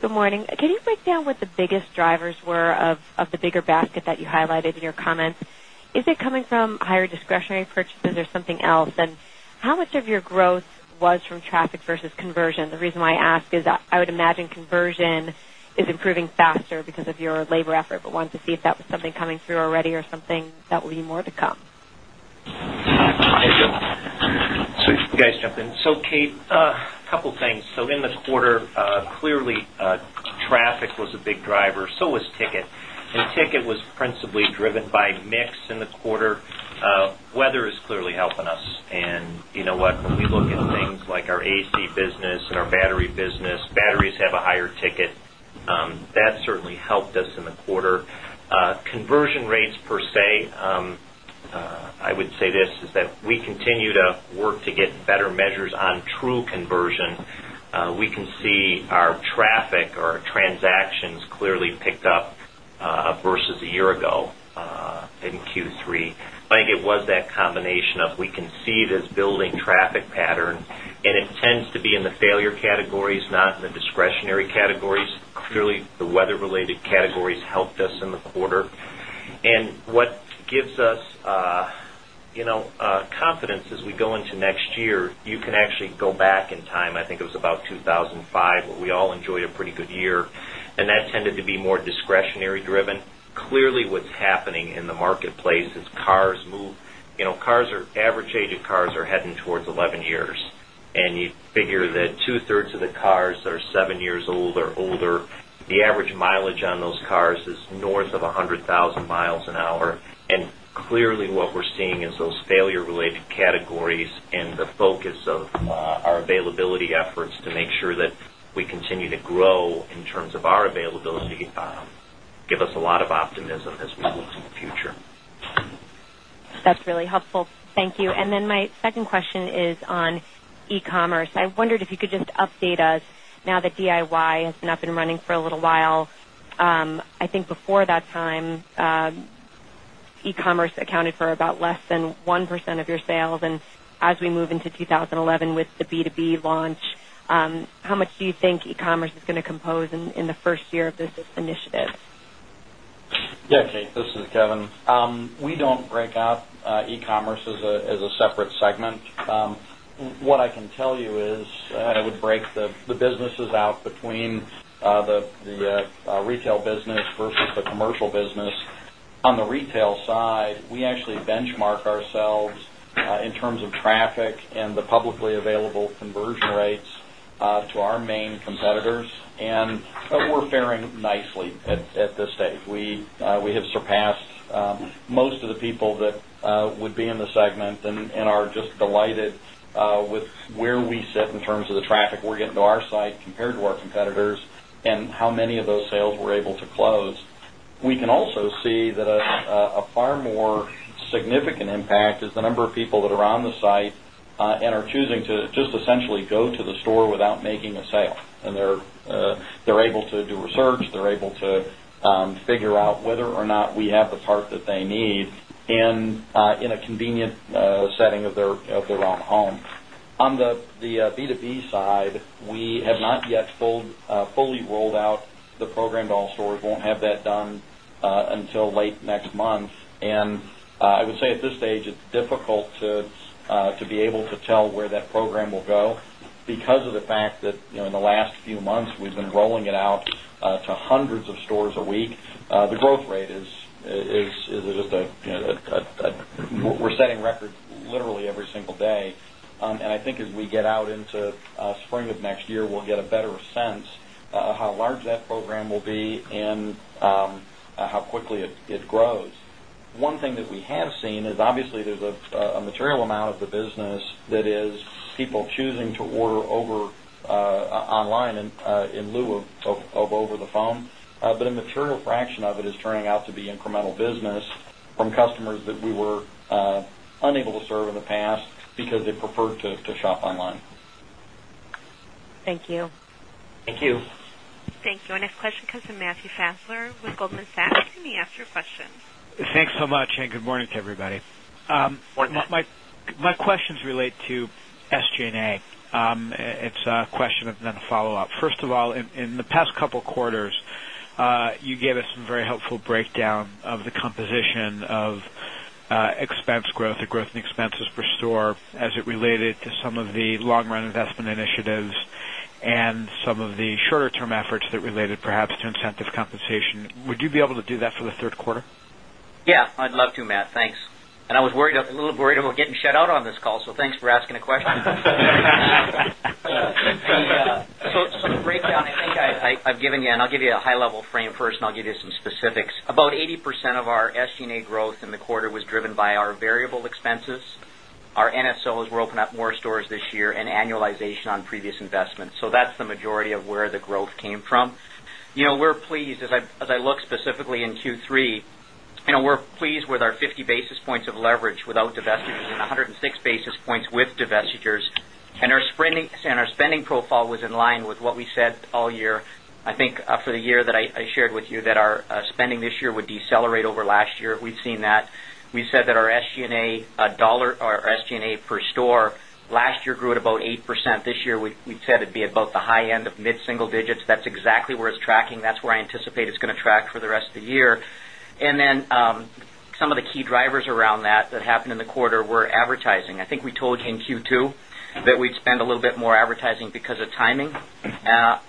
Good morning. Can you break down what the biggest drivers were of the bigger basket that you highlighted in your comments? Is it coming from higher discretionary purchases or something else? And how much of your growth was from traffic versus conversion? The reason why I ask is that I would imagine conversion is improving faster because of your labor effort, but wanted to see if that was something coming through already or something that will be more to come? Hi, Joe. So you guys jump in. So Kate, a couple of things. So in the quarter, clearly traffic was a big driver, so was ticket. And ticket was principally driven by mix in the quarter. Weather is clearly helping us. And you know what, when we look at things like our AC business and our battery business, batteries have a higher ticket. That certainly helped us in the quarter. Conversion rates per se, I would say this is that we continue to work to get better measures on true conversion. We can see our traffic or transactions clearly picked up versus a year ago in Q3. I think it was that combination of we can see this building traffic pattern and it tends to be in the failure categories, not in the discretionary categories. Clearly, the weather related categories helped us in the quarter. And what gives us confidence as we go into next year, you can actually go back in time, I think it was about 2,005, where we all enjoyed a pretty good year, and that tended to be more discretionary driven. Clearly, what's happening in the marketplace is cars move average age of cars are heading towards 11 years and you figure that 2 thirds of the cars are 7 years old or older. The average mileage on those cars is north of 100,000 miles an hour. And clearly, what we're seeing is those failure related categories and the focus of our availability efforts to make sure that we continue to grow in terms of our availability give us a lot of optimism as we look to the future. That's really helpful. Thank you. And then my second question is on e commerce. I wondered if you could just update us now that DIY has been up and running for a little while. I think before that time, e commerce accounted for about less than 1% of your sales. And as we move into 2011 with the B2B launch, how much do you think e commerce is going to compose in the 1st year of this initiative? Yes, Kate, this is Kevin. We don't break out e commerce as a separate segment. What I can tell you is, I would break the businesses out between the retail business versus the commercial business. On the retail side, we actually benchmark ourselves in terms of traffic and the publicly available conversion rates to our main competitors. And we're faring nicely at this stage. We have surpassed most of the people that would be in the segment and are just delighted with where we sit in terms of the site and are choosing to just essentially go to the store without making a sale. And they're able to do research, they're able to figure out whether or not we have the part that they need in a convenient setting of their own home. On the B2B side, until late next month. And I would say at this stage, it's difficult to be able to tell where that program will go because of the fact that in the last few months, we've been rolling it out to hundreds of stores a week. The growth rate is just we're setting record literally every single day. And I think as we get out into spring of next year, we'll get a better sense how large that program will be and how quickly it grows. One thing that we have seen is obviously, there's a material amount of the business that is people choosing to order over online in lieu of over the phone, but a material fraction of it is turning out to be incremental business from customers that we were unable to serve in the past because they prefer to shop online. Thank you. Thank you. Thank you. Our next question comes from Matthew Fassler with Goldman Sachs. You may ask your question. Thanks so much and good morning to everybody. Good morning. My questions relate to SG and A. It's a question and then a follow-up. First of all, in the past couple of quarters, you gave us some very helpful breakdown of the composition of expense growth, the growth in expenses per store as it related to some of the long run investment initiatives and some of the shorter efforts that related perhaps to incentive compensation. Would you be able to do that for the Q3? Yes, I'd love to Matt. Thanks. And I was worried a little worried about getting shut out on this call. So, thanks for asking the question. So, the breakdown, I think I've given you and I'll give you a high level frame first and I'll give you some specifics. About 80% of our SG and A growth in the quarter was driven by our variable expenses. Our NSOs were opened up more stores this year and annualization on previous investments. So that's the majority of where the growth came from. We're pleased as I look specifically in Q3, we're pleased with our 50 basis points of leverage without divestitures and 106 basis points with divestitures. And our spending profile was in line with what we said all year. I think for the year that I shared with you that our spending this year would decelerate over last year, we've seen that. We said that our SG and A per store last year grew at about 8%. This year, we said it'd be about the high end of mid single digits. That's exactly where it's tracking. That's where I anticipate it's going to track for the rest of the year. And then some of the key drivers around that, that happened in the quarter were advertising. I think we told you in Q2 that we'd spend a little bit more advertising, I think we told you in Q2 that we'd spend a little bit more advertising because of timing.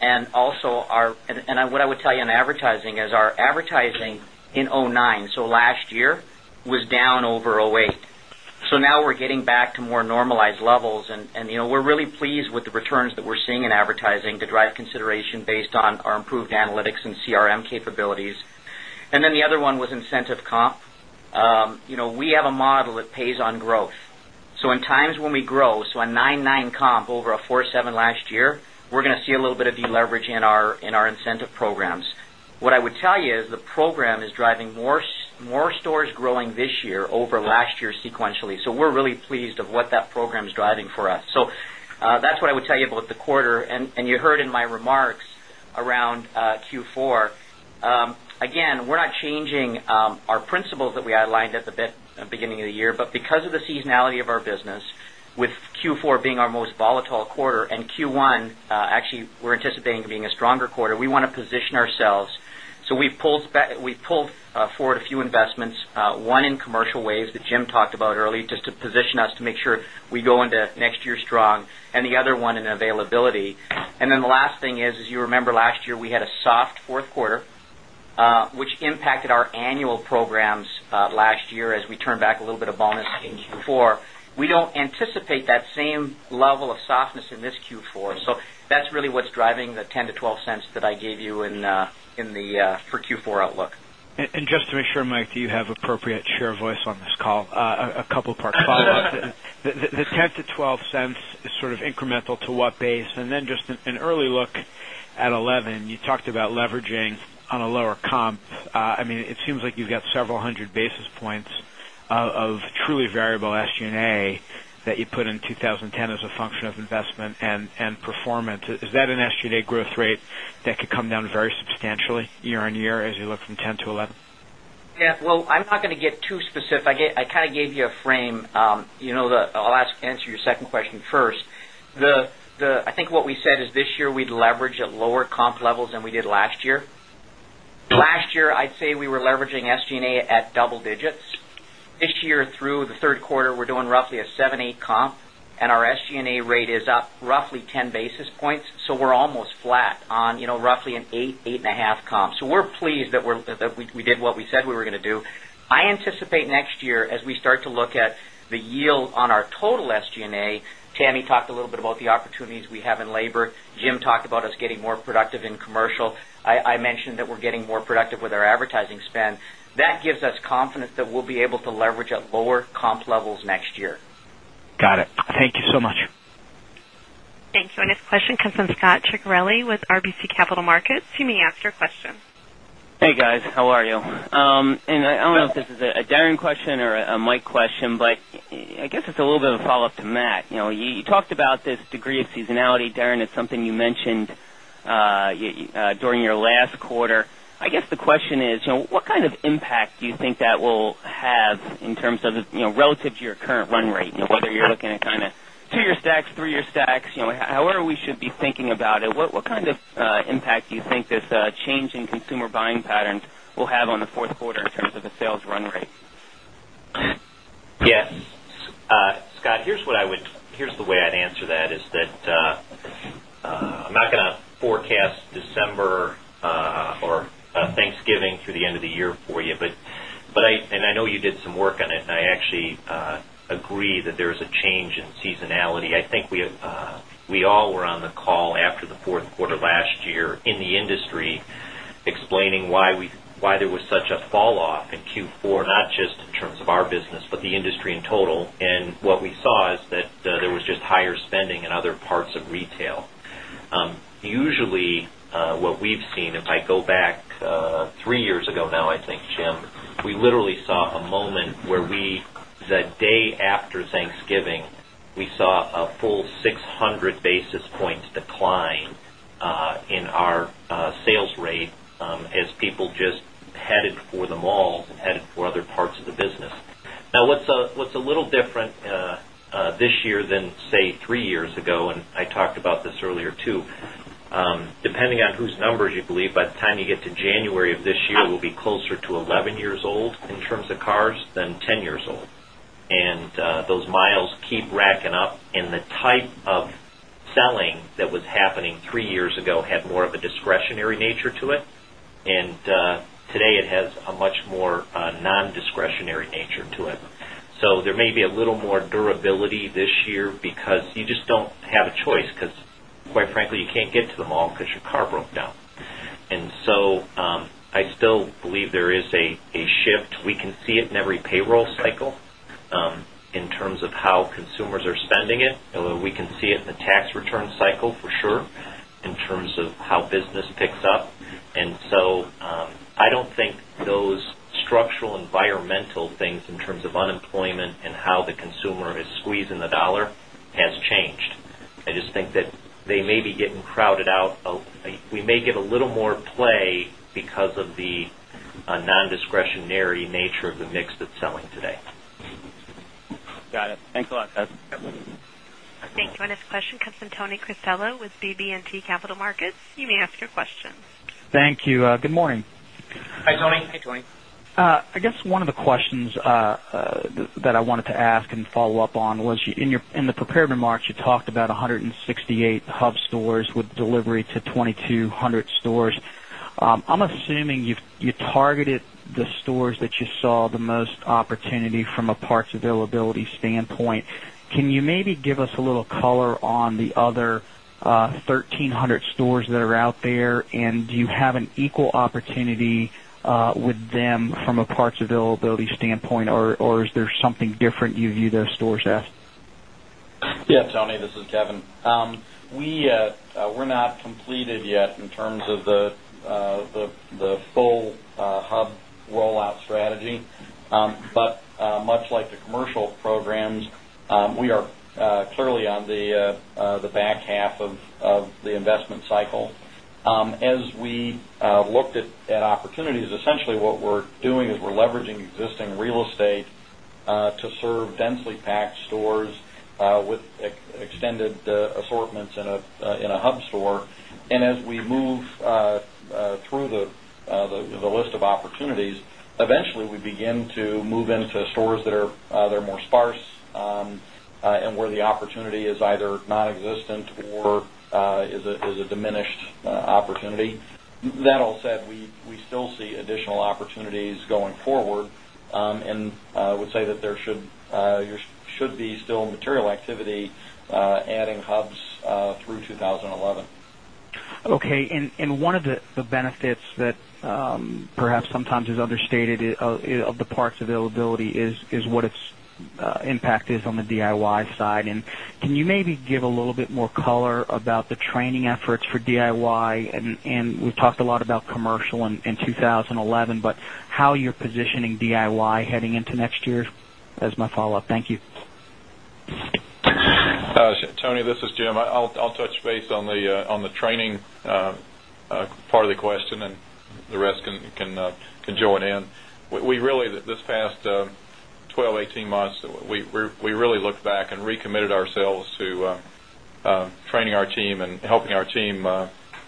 And also our and what I would tell you in advertising is our advertising in 2009, so last year, was down over 2008. So now we're getting back to more normalized levels and we're really pleased with the returns that we're seeing in advertising to drive consideration based on our improved analytics and CRM capabilities. And then the other one was incentive comp. We have a model that pays on growth. So in times when we grow, so a 9.9 comp over a 4.7 last year, we're going to see a little bit of deleverage in our incentive programs. What I would tell you is the program is driving more stores growing this year over last year sequentially. So we're really pleased of what that program is driving for us. So that's what I would tell you about the quarter. And you heard in my remarks around Q4, again, we're not changing our principles that we outlined at the beginning of the year, but because of the seasonality of our business with Q4 being our most volatile quarter and Q1, actually, we're anticipating being a stronger quarter, want to position ourselves. So we pulled forward a few investments, 1 in commercial waves that Jim talked about early just to position us to make sure we go into next year strong and the other one in availability. And then the last thing is, as you remember last year, we had a soft Q4, which impacted our annual programs last year as we turn back a little bit of bonus in Q4. We don't anticipate that same level of softness in this Q4. So that's really what's driving the $0.10 to $0.12 that I gave you in the for Q4 outlook. And just to make sure, Mike, do you have appropriate share of voice on this call? A couple of part follow ups. The $0.10 to $0.12 is sort of incremental to what base? And then just an early look at $0.11 you talked about leveraging on a lower comp. I mean it seems like you've got several 100 basis points of truly variable SG and A that you put in 20 10 as a function of investment and performance. Is that an SG and A growth rate that could come down performance. Is that an SG and A growth rate that could come down very substantially year on year as you look from 10% to 11%? Yes. Well, I'm not going to get too specific. I kind of gave you a frame. I'll answer your second question first. I think what we said is this year we'd leverage at lower comp levels than we did last year. Last year, I'd say we were leveraging SG and A at double digits. This year through the Q3, we're doing roughly a 7.8 comp and our SG and A rate is up roughly 10 basis points. So we're almost flat on roughly an 8%, 8.5 comp. So we're pleased that we did what we said we were going to do. I anticipate next year as we start to look at the yield on our total SG and A, Tammy talked a little bit about the opportunities we have in labor. Jim talked about us getting more productive in commercial. I mentioned that we're getting more productive with our advertising spend. That gives us confidence that we'll be able to leverage at lower comp levels next year. Got it. Thank you so much. Thank you. Our next question comes from Scot Ciccarelli with RBC Capital Markets. You may ask your question. Hey, guys. How are you? And I don't know if this is a Darren question or a Mike question, but I guess it's a little bit of a follow-up to Matt. You talked about this degree of seasonality, Darren, it's something you mentioned during your last quarter. I guess the question is, what kind of impact do you think that will have in terms of relative to your current run rate, whether you're looking at kind of 2 year stacks, 3 year stacks, however we should be thinking about it? What kind of impact do you think this change in consumer buying patterns will have on the Q4 in terms of the sales run rate? Yes. Scott, here's what I would here's the way I'd answer that is that, I'm not going to forecast December or Thanksgiving through the end of the year for you. But I and I know you did some work on it and I actually agree that there is a change in seasonality. I think we all were on the call after the Q4 last year in the industry explaining we why there was such a fall off in Q4, not just in terms of our business, but the industry in total. And what we saw is that there was just higher spending in other parts of retail. Usually, what we've seen, if I go back 3 years ago now, I think, Jim, we literally saw a moment where we the day after Thanksgiving, we saw a full 600 basis points decline in our sales rate as people just headed for the malls and headed for other parts of the business. Now what's a little different this year than say 3 years ago and I talked about this earlier too, depending depending on whose numbers you believe by the time you get to January of this year, we'll be closer to 11 years old in terms of cars than 10 years old. And those miles keep racking up and the type of selling that was happening 3 years ago had more of a discretionary nature to it. And today it has a much more non discretionary nature to it. So there may be a little more durability this year because you just don't have a choice because quite frankly, you can't get to the mall because your car broke down. And so, I still believe there is a shift. We can see it in every payroll cycle in terms of how consumers are spending it. And we can see it in the tax return cycle for sure in terms of how business picks up. And so, I don't think those structural environmental things in terms of unemployment and how the consumer is squeezing the dollar has changed. I just think that they may be getting crowded out. We may get a little more play because of the nondiscretionary nature of the mix that's selling today. Got it. Thanks a lot. Thank you. Our next question comes from Tony Cristiello with BB and T Capital Markets. You may ask your question. Thank you. Good morning. Hi, Tony. Hi, Tony. I guess one of the questions that I wanted to ask and follow-up on was in the prepared remarks you talked about 168 hub stores with delivery to 2,200 stores. I'm assuming you targeted the stores that you saw the most opportunity from a parts availability standpoint. Can you maybe give us a little color on the other 1300 stores that are out there? And do you have an equal opportunity with them from a parts availability standpoint? Or is there something different you view those stores as? Yes, Tony, this is Kevin. We're not completed yet in terms of the full hub rollout strategy. But much like the commercial programs, we are clearly on the back half of the investment cycle. As we looked at opportunities, essentially what we're doing is leveraging existing real estate to serve densely packed stores with extended assortments in a hub store. And as we move through the list of opportunities, eventually we begin to move into stores that are more sparse and where the opportunity is either nonexistent or is a diminished opportunity. That all said, we still see additional opportunities going forward. And I would say that there should be still material activity adding hubs through 2011. Okay. And one of the benefits that perhaps sometimes is understated of the parts availability is what its impact is on the DIY side. And can you maybe give a little bit more color about the training efforts for DIY? And we've talked a lot about commercial in 2011, but how you're positioning DIY heading into next year as my follow-up? Thank you. Tony, this is Jim. I'll touch base on the training part of the question and the rest can join in. We really this past 12, 18 months, we really look back and recommitted ourselves to training our team and helping our team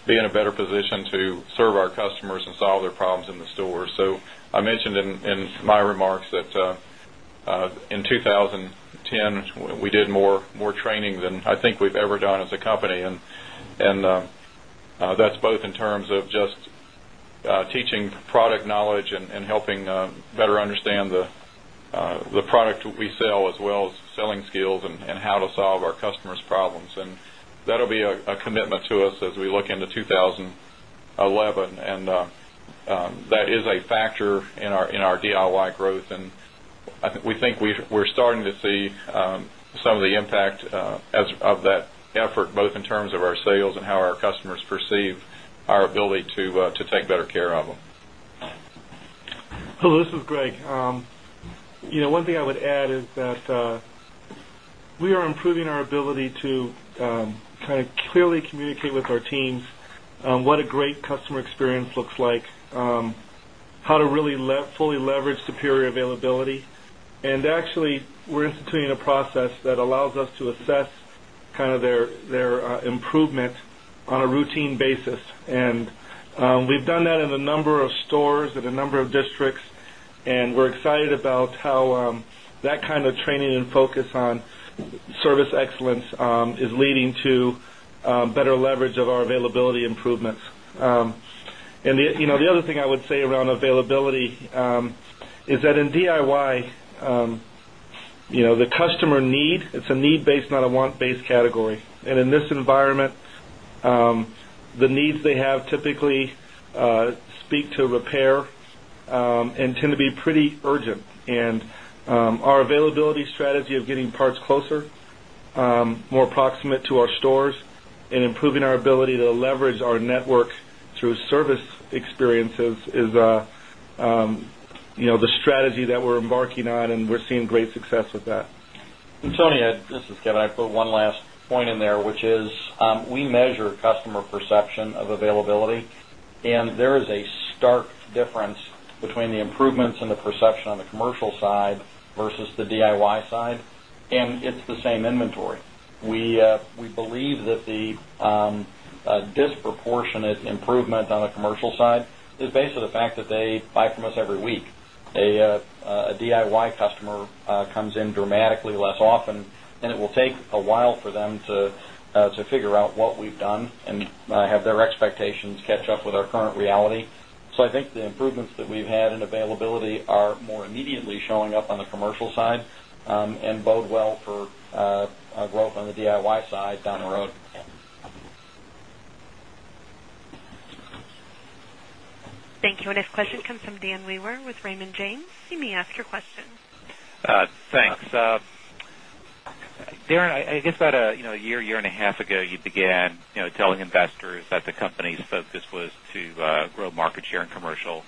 be in a better position to serve our customers and solve their problems in the stores. So I mentioned in my remarks that in 2010, we did more training than I think we've ever done as a company. And that's both in terms of just teaching product knowledge and helping better understand the product we sell as well as selling skills and how to solve our customers' problems. And that will be a commitment to us as we look into 2011 and that is a factor in our DIY growth. And we think we're starting to see some of the impact of that effort both in terms of our sales and how our customers perceive our ability to take better care of them. Hello, this is Greg. One thing I would add is that we are improving our ability to kind of clearly communicate with our teams what a great customer experience looks like, how to really fully leverage superior availability. And actually, we're instituting a process that allows us to assess kind of their improvement on a routine basis. And we've done that in a number of stores at a number of districts and we're excited about how that kind of training and focus on service excellence is leading to better leverage of our availability improvements. And the other thing I would say around availability is that in DIY, the customer need, it's a need based, not a want based category. And in this environment, the needs they have typically speak to repair and tend to be pretty urgent. And our availability strategy of getting parts closer, more approximate to our stores and improving our ability to leverage our network through service experiences is the strategy that we're embarking on and we're seeing great success with that. And Tony, this is Kevin. I put one last point in there, which is we measure customer perception of availability. And there is a stark difference between the improvements and the perception on the commercial side versus the DIY side. And it's the same inventory. We believe that the disproportionate improvement on the commercial side is based on the fact that they buy from us every week. A DIY customer comes in dramatically less often and it will take a while for them to figure out what we've done and have their expectations catch up with our current reality. So I think the improvements that we've had in availability are more immediately showing up on the commercial side and bode well for growth on the DIY side down the road. Thank you. Our next question comes from Dan Leer with Raymond James. You may ask your question. Thanks. Darren, I guess about a year, year and a half ago, you began telling investors that the company's focus was to grow market share in commercial,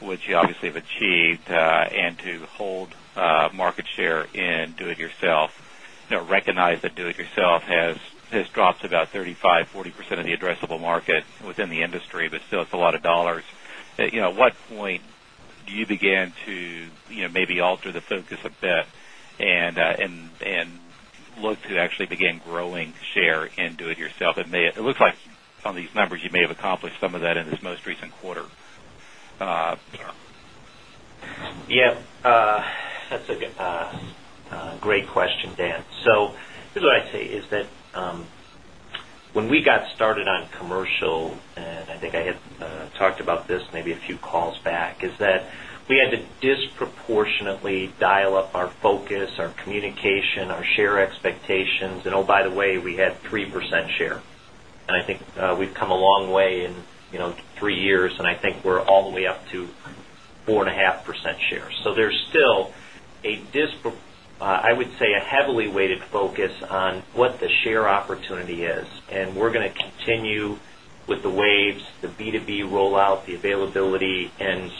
which you obviously have achieved and to hold market share in do it yourself. Recognize that do it yourself has dropped about 35%, 40% of the addressable within the industry, but still it's a lot of dollars. At what point do you begin to maybe alter the focus a bit and look to actually begin growing share in do it yourself? It may it looks like on these numbers you may have accomplished some of that in this most recent quarter. Yes. That's a great question, Dan. So here's what I'd say is that when we got started on commercial, and I think I had talked about this maybe a few calls back, is that we had to disproportionately dial up our focus, our communication, our share expectations. And by the way, we had 3% share. And I think we've come a long way in 3 years, and I think we're all the way up to 4.5% share. So there's still a I would say a heavily weighted focus on what the share opportunity is. And we're going to continue with the waves, the B2B rollout, the availability and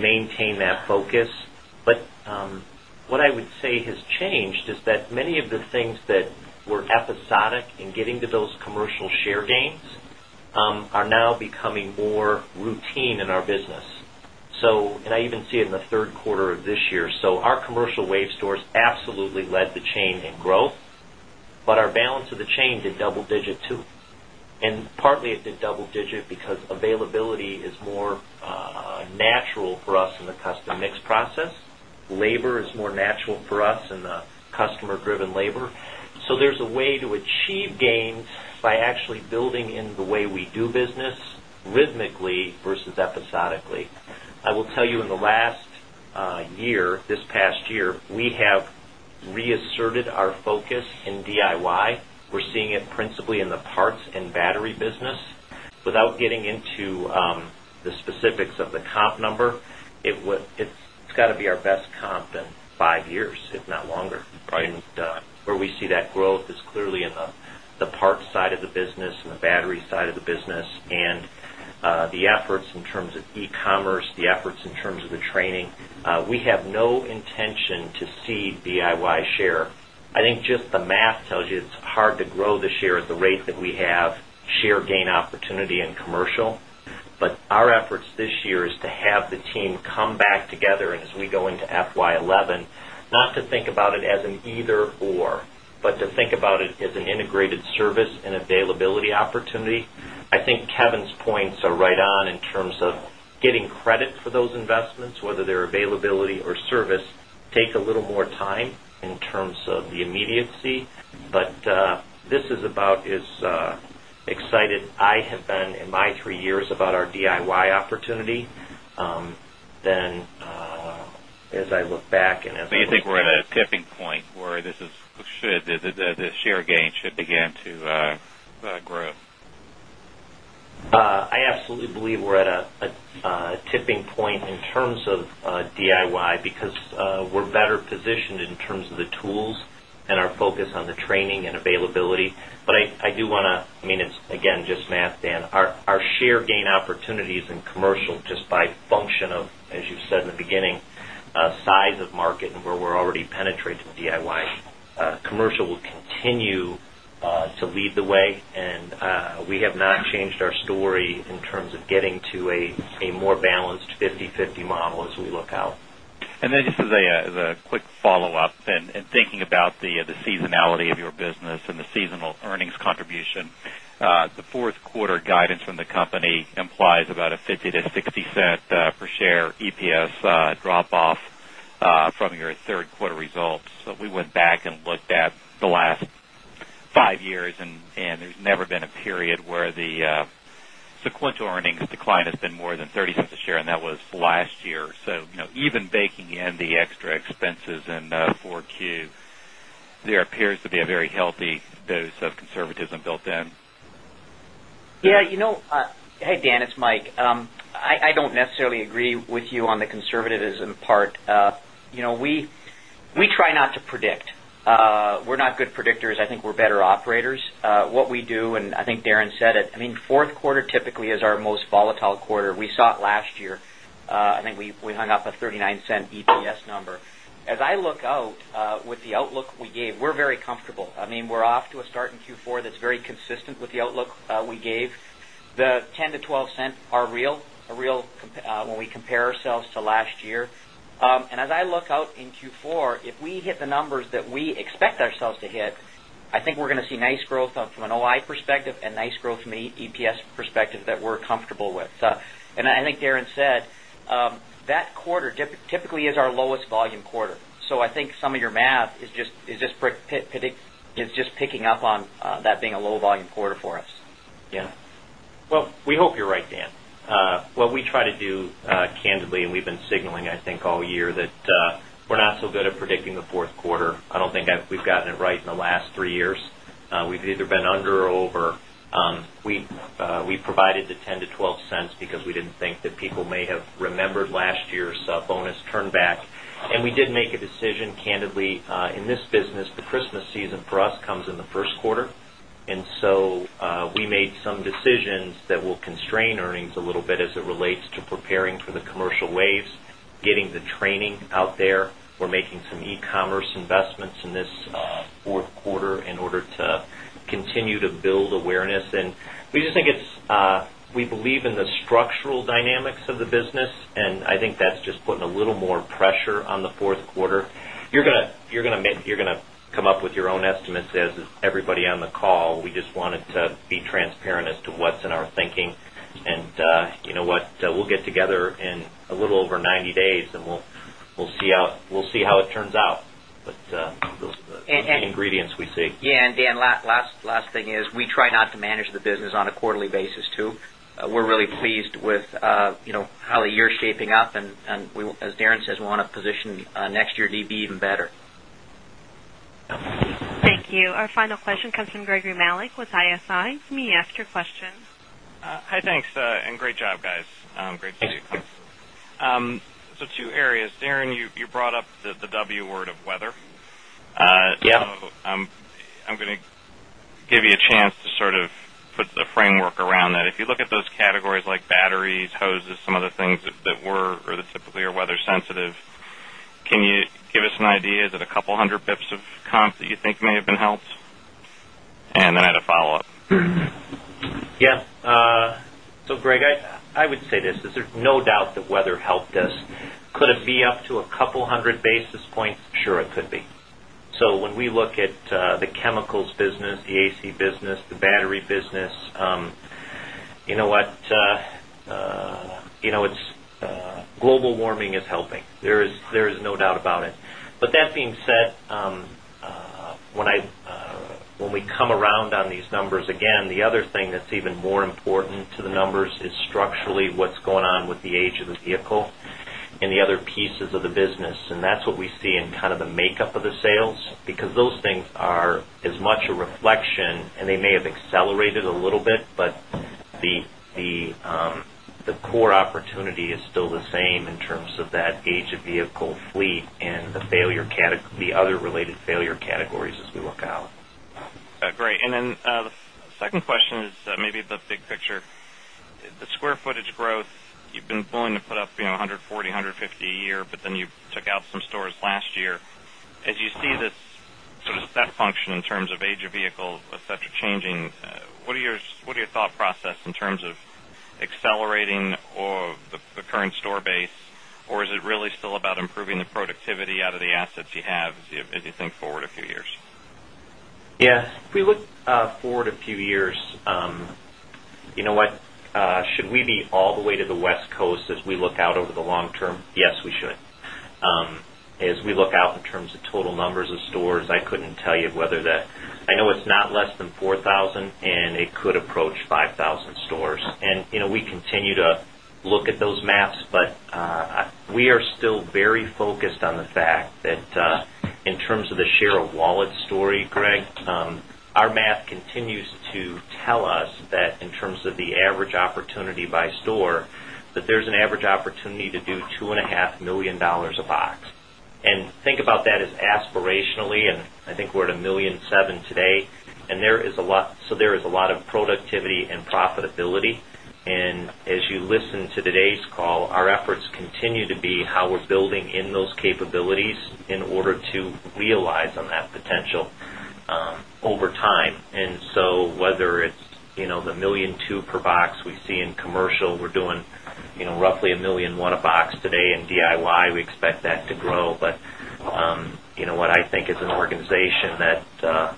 maintain that focus. But what I would say has changed is that many of the things that were episodic in getting to those commercial share gains, are now becoming more routine in our business. So and I even see it in the Q3 of this year. So our commercial wave stores absolutely led the chain in growth, but our customer driven labor. So there's a way customer driven labor. So there's a way to achieve gains by actually building in the way we do business rhythmically versus episodically. I will tell you in the last year, this past year, we have reasserted our focus in DIY. We're seeing it principally in the parts and battery business. Without getting into the specifics of the comp number, it's got to be our best comp in 5 years, if not longer. And where we see that growth is clearly in the parts side of the business and the battery side of the business. And the efforts in terms of e commerce, the efforts in terms of the training. We have no intention to see DIY share. I think just the math tells you it's hard to grow the share at the rate that we have share gain opportunity in commercial. But our efforts this year is to have the team come together and as we go into FY 2011, not to think about it as an either or, but to think about it as an integrated service and availability opportunity. I think Kevin's points are right on in terms of getting credit for those investments, whether they're availability or service, take a little more time in terms of the immediacy. But this is about as excited I have been in my 3 years about our DIY opportunity. Then as I look back and as Do you think we're at a tipping point where this is should the share gain should begin to grow? I absolutely believe we're at a tipping point in terms of DIY because we're better positioned in terms of the tools and our focus on the training and availability. But I do want to I mean, it's again just math, Dan. Our share gain opportunities in commercial just by function of, as you said in the beginning, size of market and where we're already penetrating DIY. Commercial will continue to lead the way and we have not changed our story in terms of getting to a more balanced fifty-fifty model as we look out. And then just as a quick follow-up and thinking about the seasonality of your business and the seasonal earnings contribution, the 4th quarter guidance from the company implies about a $0.50 to $0.60 per share EPS drop off from your Q3 results. So we went back and looked at the last 5 years and there's never been a period where the sequential earnings decline has been more than $0.30 a share and that was last year. So, even baking in the extra expenses in 4Q, there appears to be a very healthy dose of conservatism built in? Yes. Hey, Dan, it's Mike. I don't necessarily agree with you on the conservatism part. We try not to predict. We're not good predictors. I think we're better operators. What we do and I think Darren said it, I mean, 4th quarter typically is our most volatile quarter. We saw it last year. I think we hung up a $0.39 EPS number. As I look out with the outlook we gave, we're very comfortable. I mean, we're off to a start in Q4 that's very consistent with the outlook we gave. The $0.10 to $0.12 are real, when we compare ourselves to last year. And as I look out in Q4, if we hit the numbers that we expect ourselves to hit, I think we're going to see nice growth from an OI perspective and nice growth from the EPS perspective that we're comfortable with. And I think Darren said, that quarter typically is our lowest volume quarter. So I think some of your math is just picking up on that being a low volume quarter for us. Yes. Well, we hope you're right, Dan. What we try to do candidly and we've been signaling, I think, all year that we're not so good at predicting the Q4. I don't think we've gotten it right in the last 3 years. We've either been under or over. We provided the $0.10 to $0.12 because we didn't think that people may have remembered last year's bonus turn back. And we did make a decision candidly in this business the Christmas season for us comes in the Q1. And so we made some decisions that will constrain earnings a little bit as it relates to preparing for the commercial waves, getting the training out there. We're making some e commerce investments in this Q4 in order to continue to build awareness. And we just think it's we believe in the structural dynamics of the business. And I think that's just putting a little more pressure on the Q4. You're going to come up with your own estimates as everybody on the call. We just wanted to be transparent as to what's in our thinking and what we'll get together in a little over 90 days and we'll see how it turns out. But those are the ingredients we see. Yes. And Dan, last thing is, we try not to manage the business on a quarterly basis too. We're really pleased with how the year is shaping up. And as Darren says, we want to position next year to be even better. Says, we want to position next year to be even better. Thank you. Our final question comes from Gregory Malek with ISI. You may ask your question. Hi, thanks and great job guys. So two areas, Darren, you brought up the W word of weather. Yes. I'm going to give you a chance to sort of put the framework around that. If you look at those categories like batteries, hoses, some of the things that were or that typically are weather sensitive. Can you give us an idea that a couple of 100 bps of comp that you think may have been helped? And then I had a follow-up. Yes. So Greg, I would say this is there's no doubt that weather helped us. Could it be up to a couple of 100 basis points? Sure, it could be. So when we look at the chemicals business, the AC business, the battery business, you know what, it's global warming is helping. There is no doubt about it. But that being said, when we come around on these numbers again, the other thing that's even more important to the vehicle and the other pieces of the business. And that's what we see in kind of the makeup of the sales, because those things are as much a reflection and they may have accelerated a little bit, but the core opportunity is still the same in terms of that age of vehicle fleet and the failure the other related failure categories as we look out. Great. And then the second question is maybe the big picture. The square footage growth, you've been pulling to put up 140, 150 a year, but then you took out some stores last year. As you see this sort of step function in terms of age of vehicle, etcetera changing, what are your thought process in terms of accelerating or the current store base? Or is it really still about improving the productivity out of the assets you have as you think forward a few years? Yes. If we look forward a few years, you know what, should we be all the way to the West Coast as we look out over the long term? Yes, we should. As we look out in terms of total numbers of stores, I couldn't tell you whether that I know it's not less than 4,000 and it could approach 5,000 stores. And we continue to look at those maps, but we are still very focused on the fact that in terms of the share of wallet story, Greg, our math continues to tell us that in terms of the average opportunity by store that there's an average opportunity to do $2,500,000 a box. And think about that as aspirationally and I think we're at $1,700,000 today and there is a lot so there is a lot of productivity and profitability. And as you listen to today's call, our efforts continue to be how we're building in those capabilities in order to realize on that potential over time. And so whether it's the $1,200,000 per box we see in commercial, we're doing roughly $1,100,000 a box today in DIY. We expect that to grow. But what I think as an organization that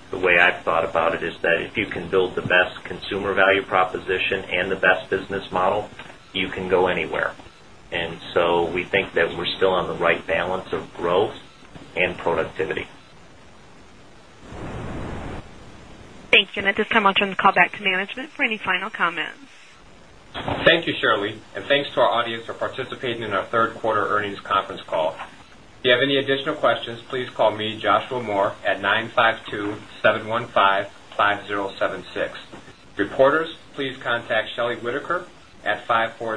the way I've thought about it is that if you can build the best consumer value proposition and the best business model, you can go anywhere. And so we think that we're still on the right balance of growth and productivity. Thank you. And at this time, I'll turn the call back to management for any final comments. Thank you, Shirley, and thanks to our audience for participating in our Q3 earnings conference call. If you have any additional questions, please call me, Joshua Moore, at 952-715-5076. Reporters, please contact Shelly Whitaker at 540-561-8452.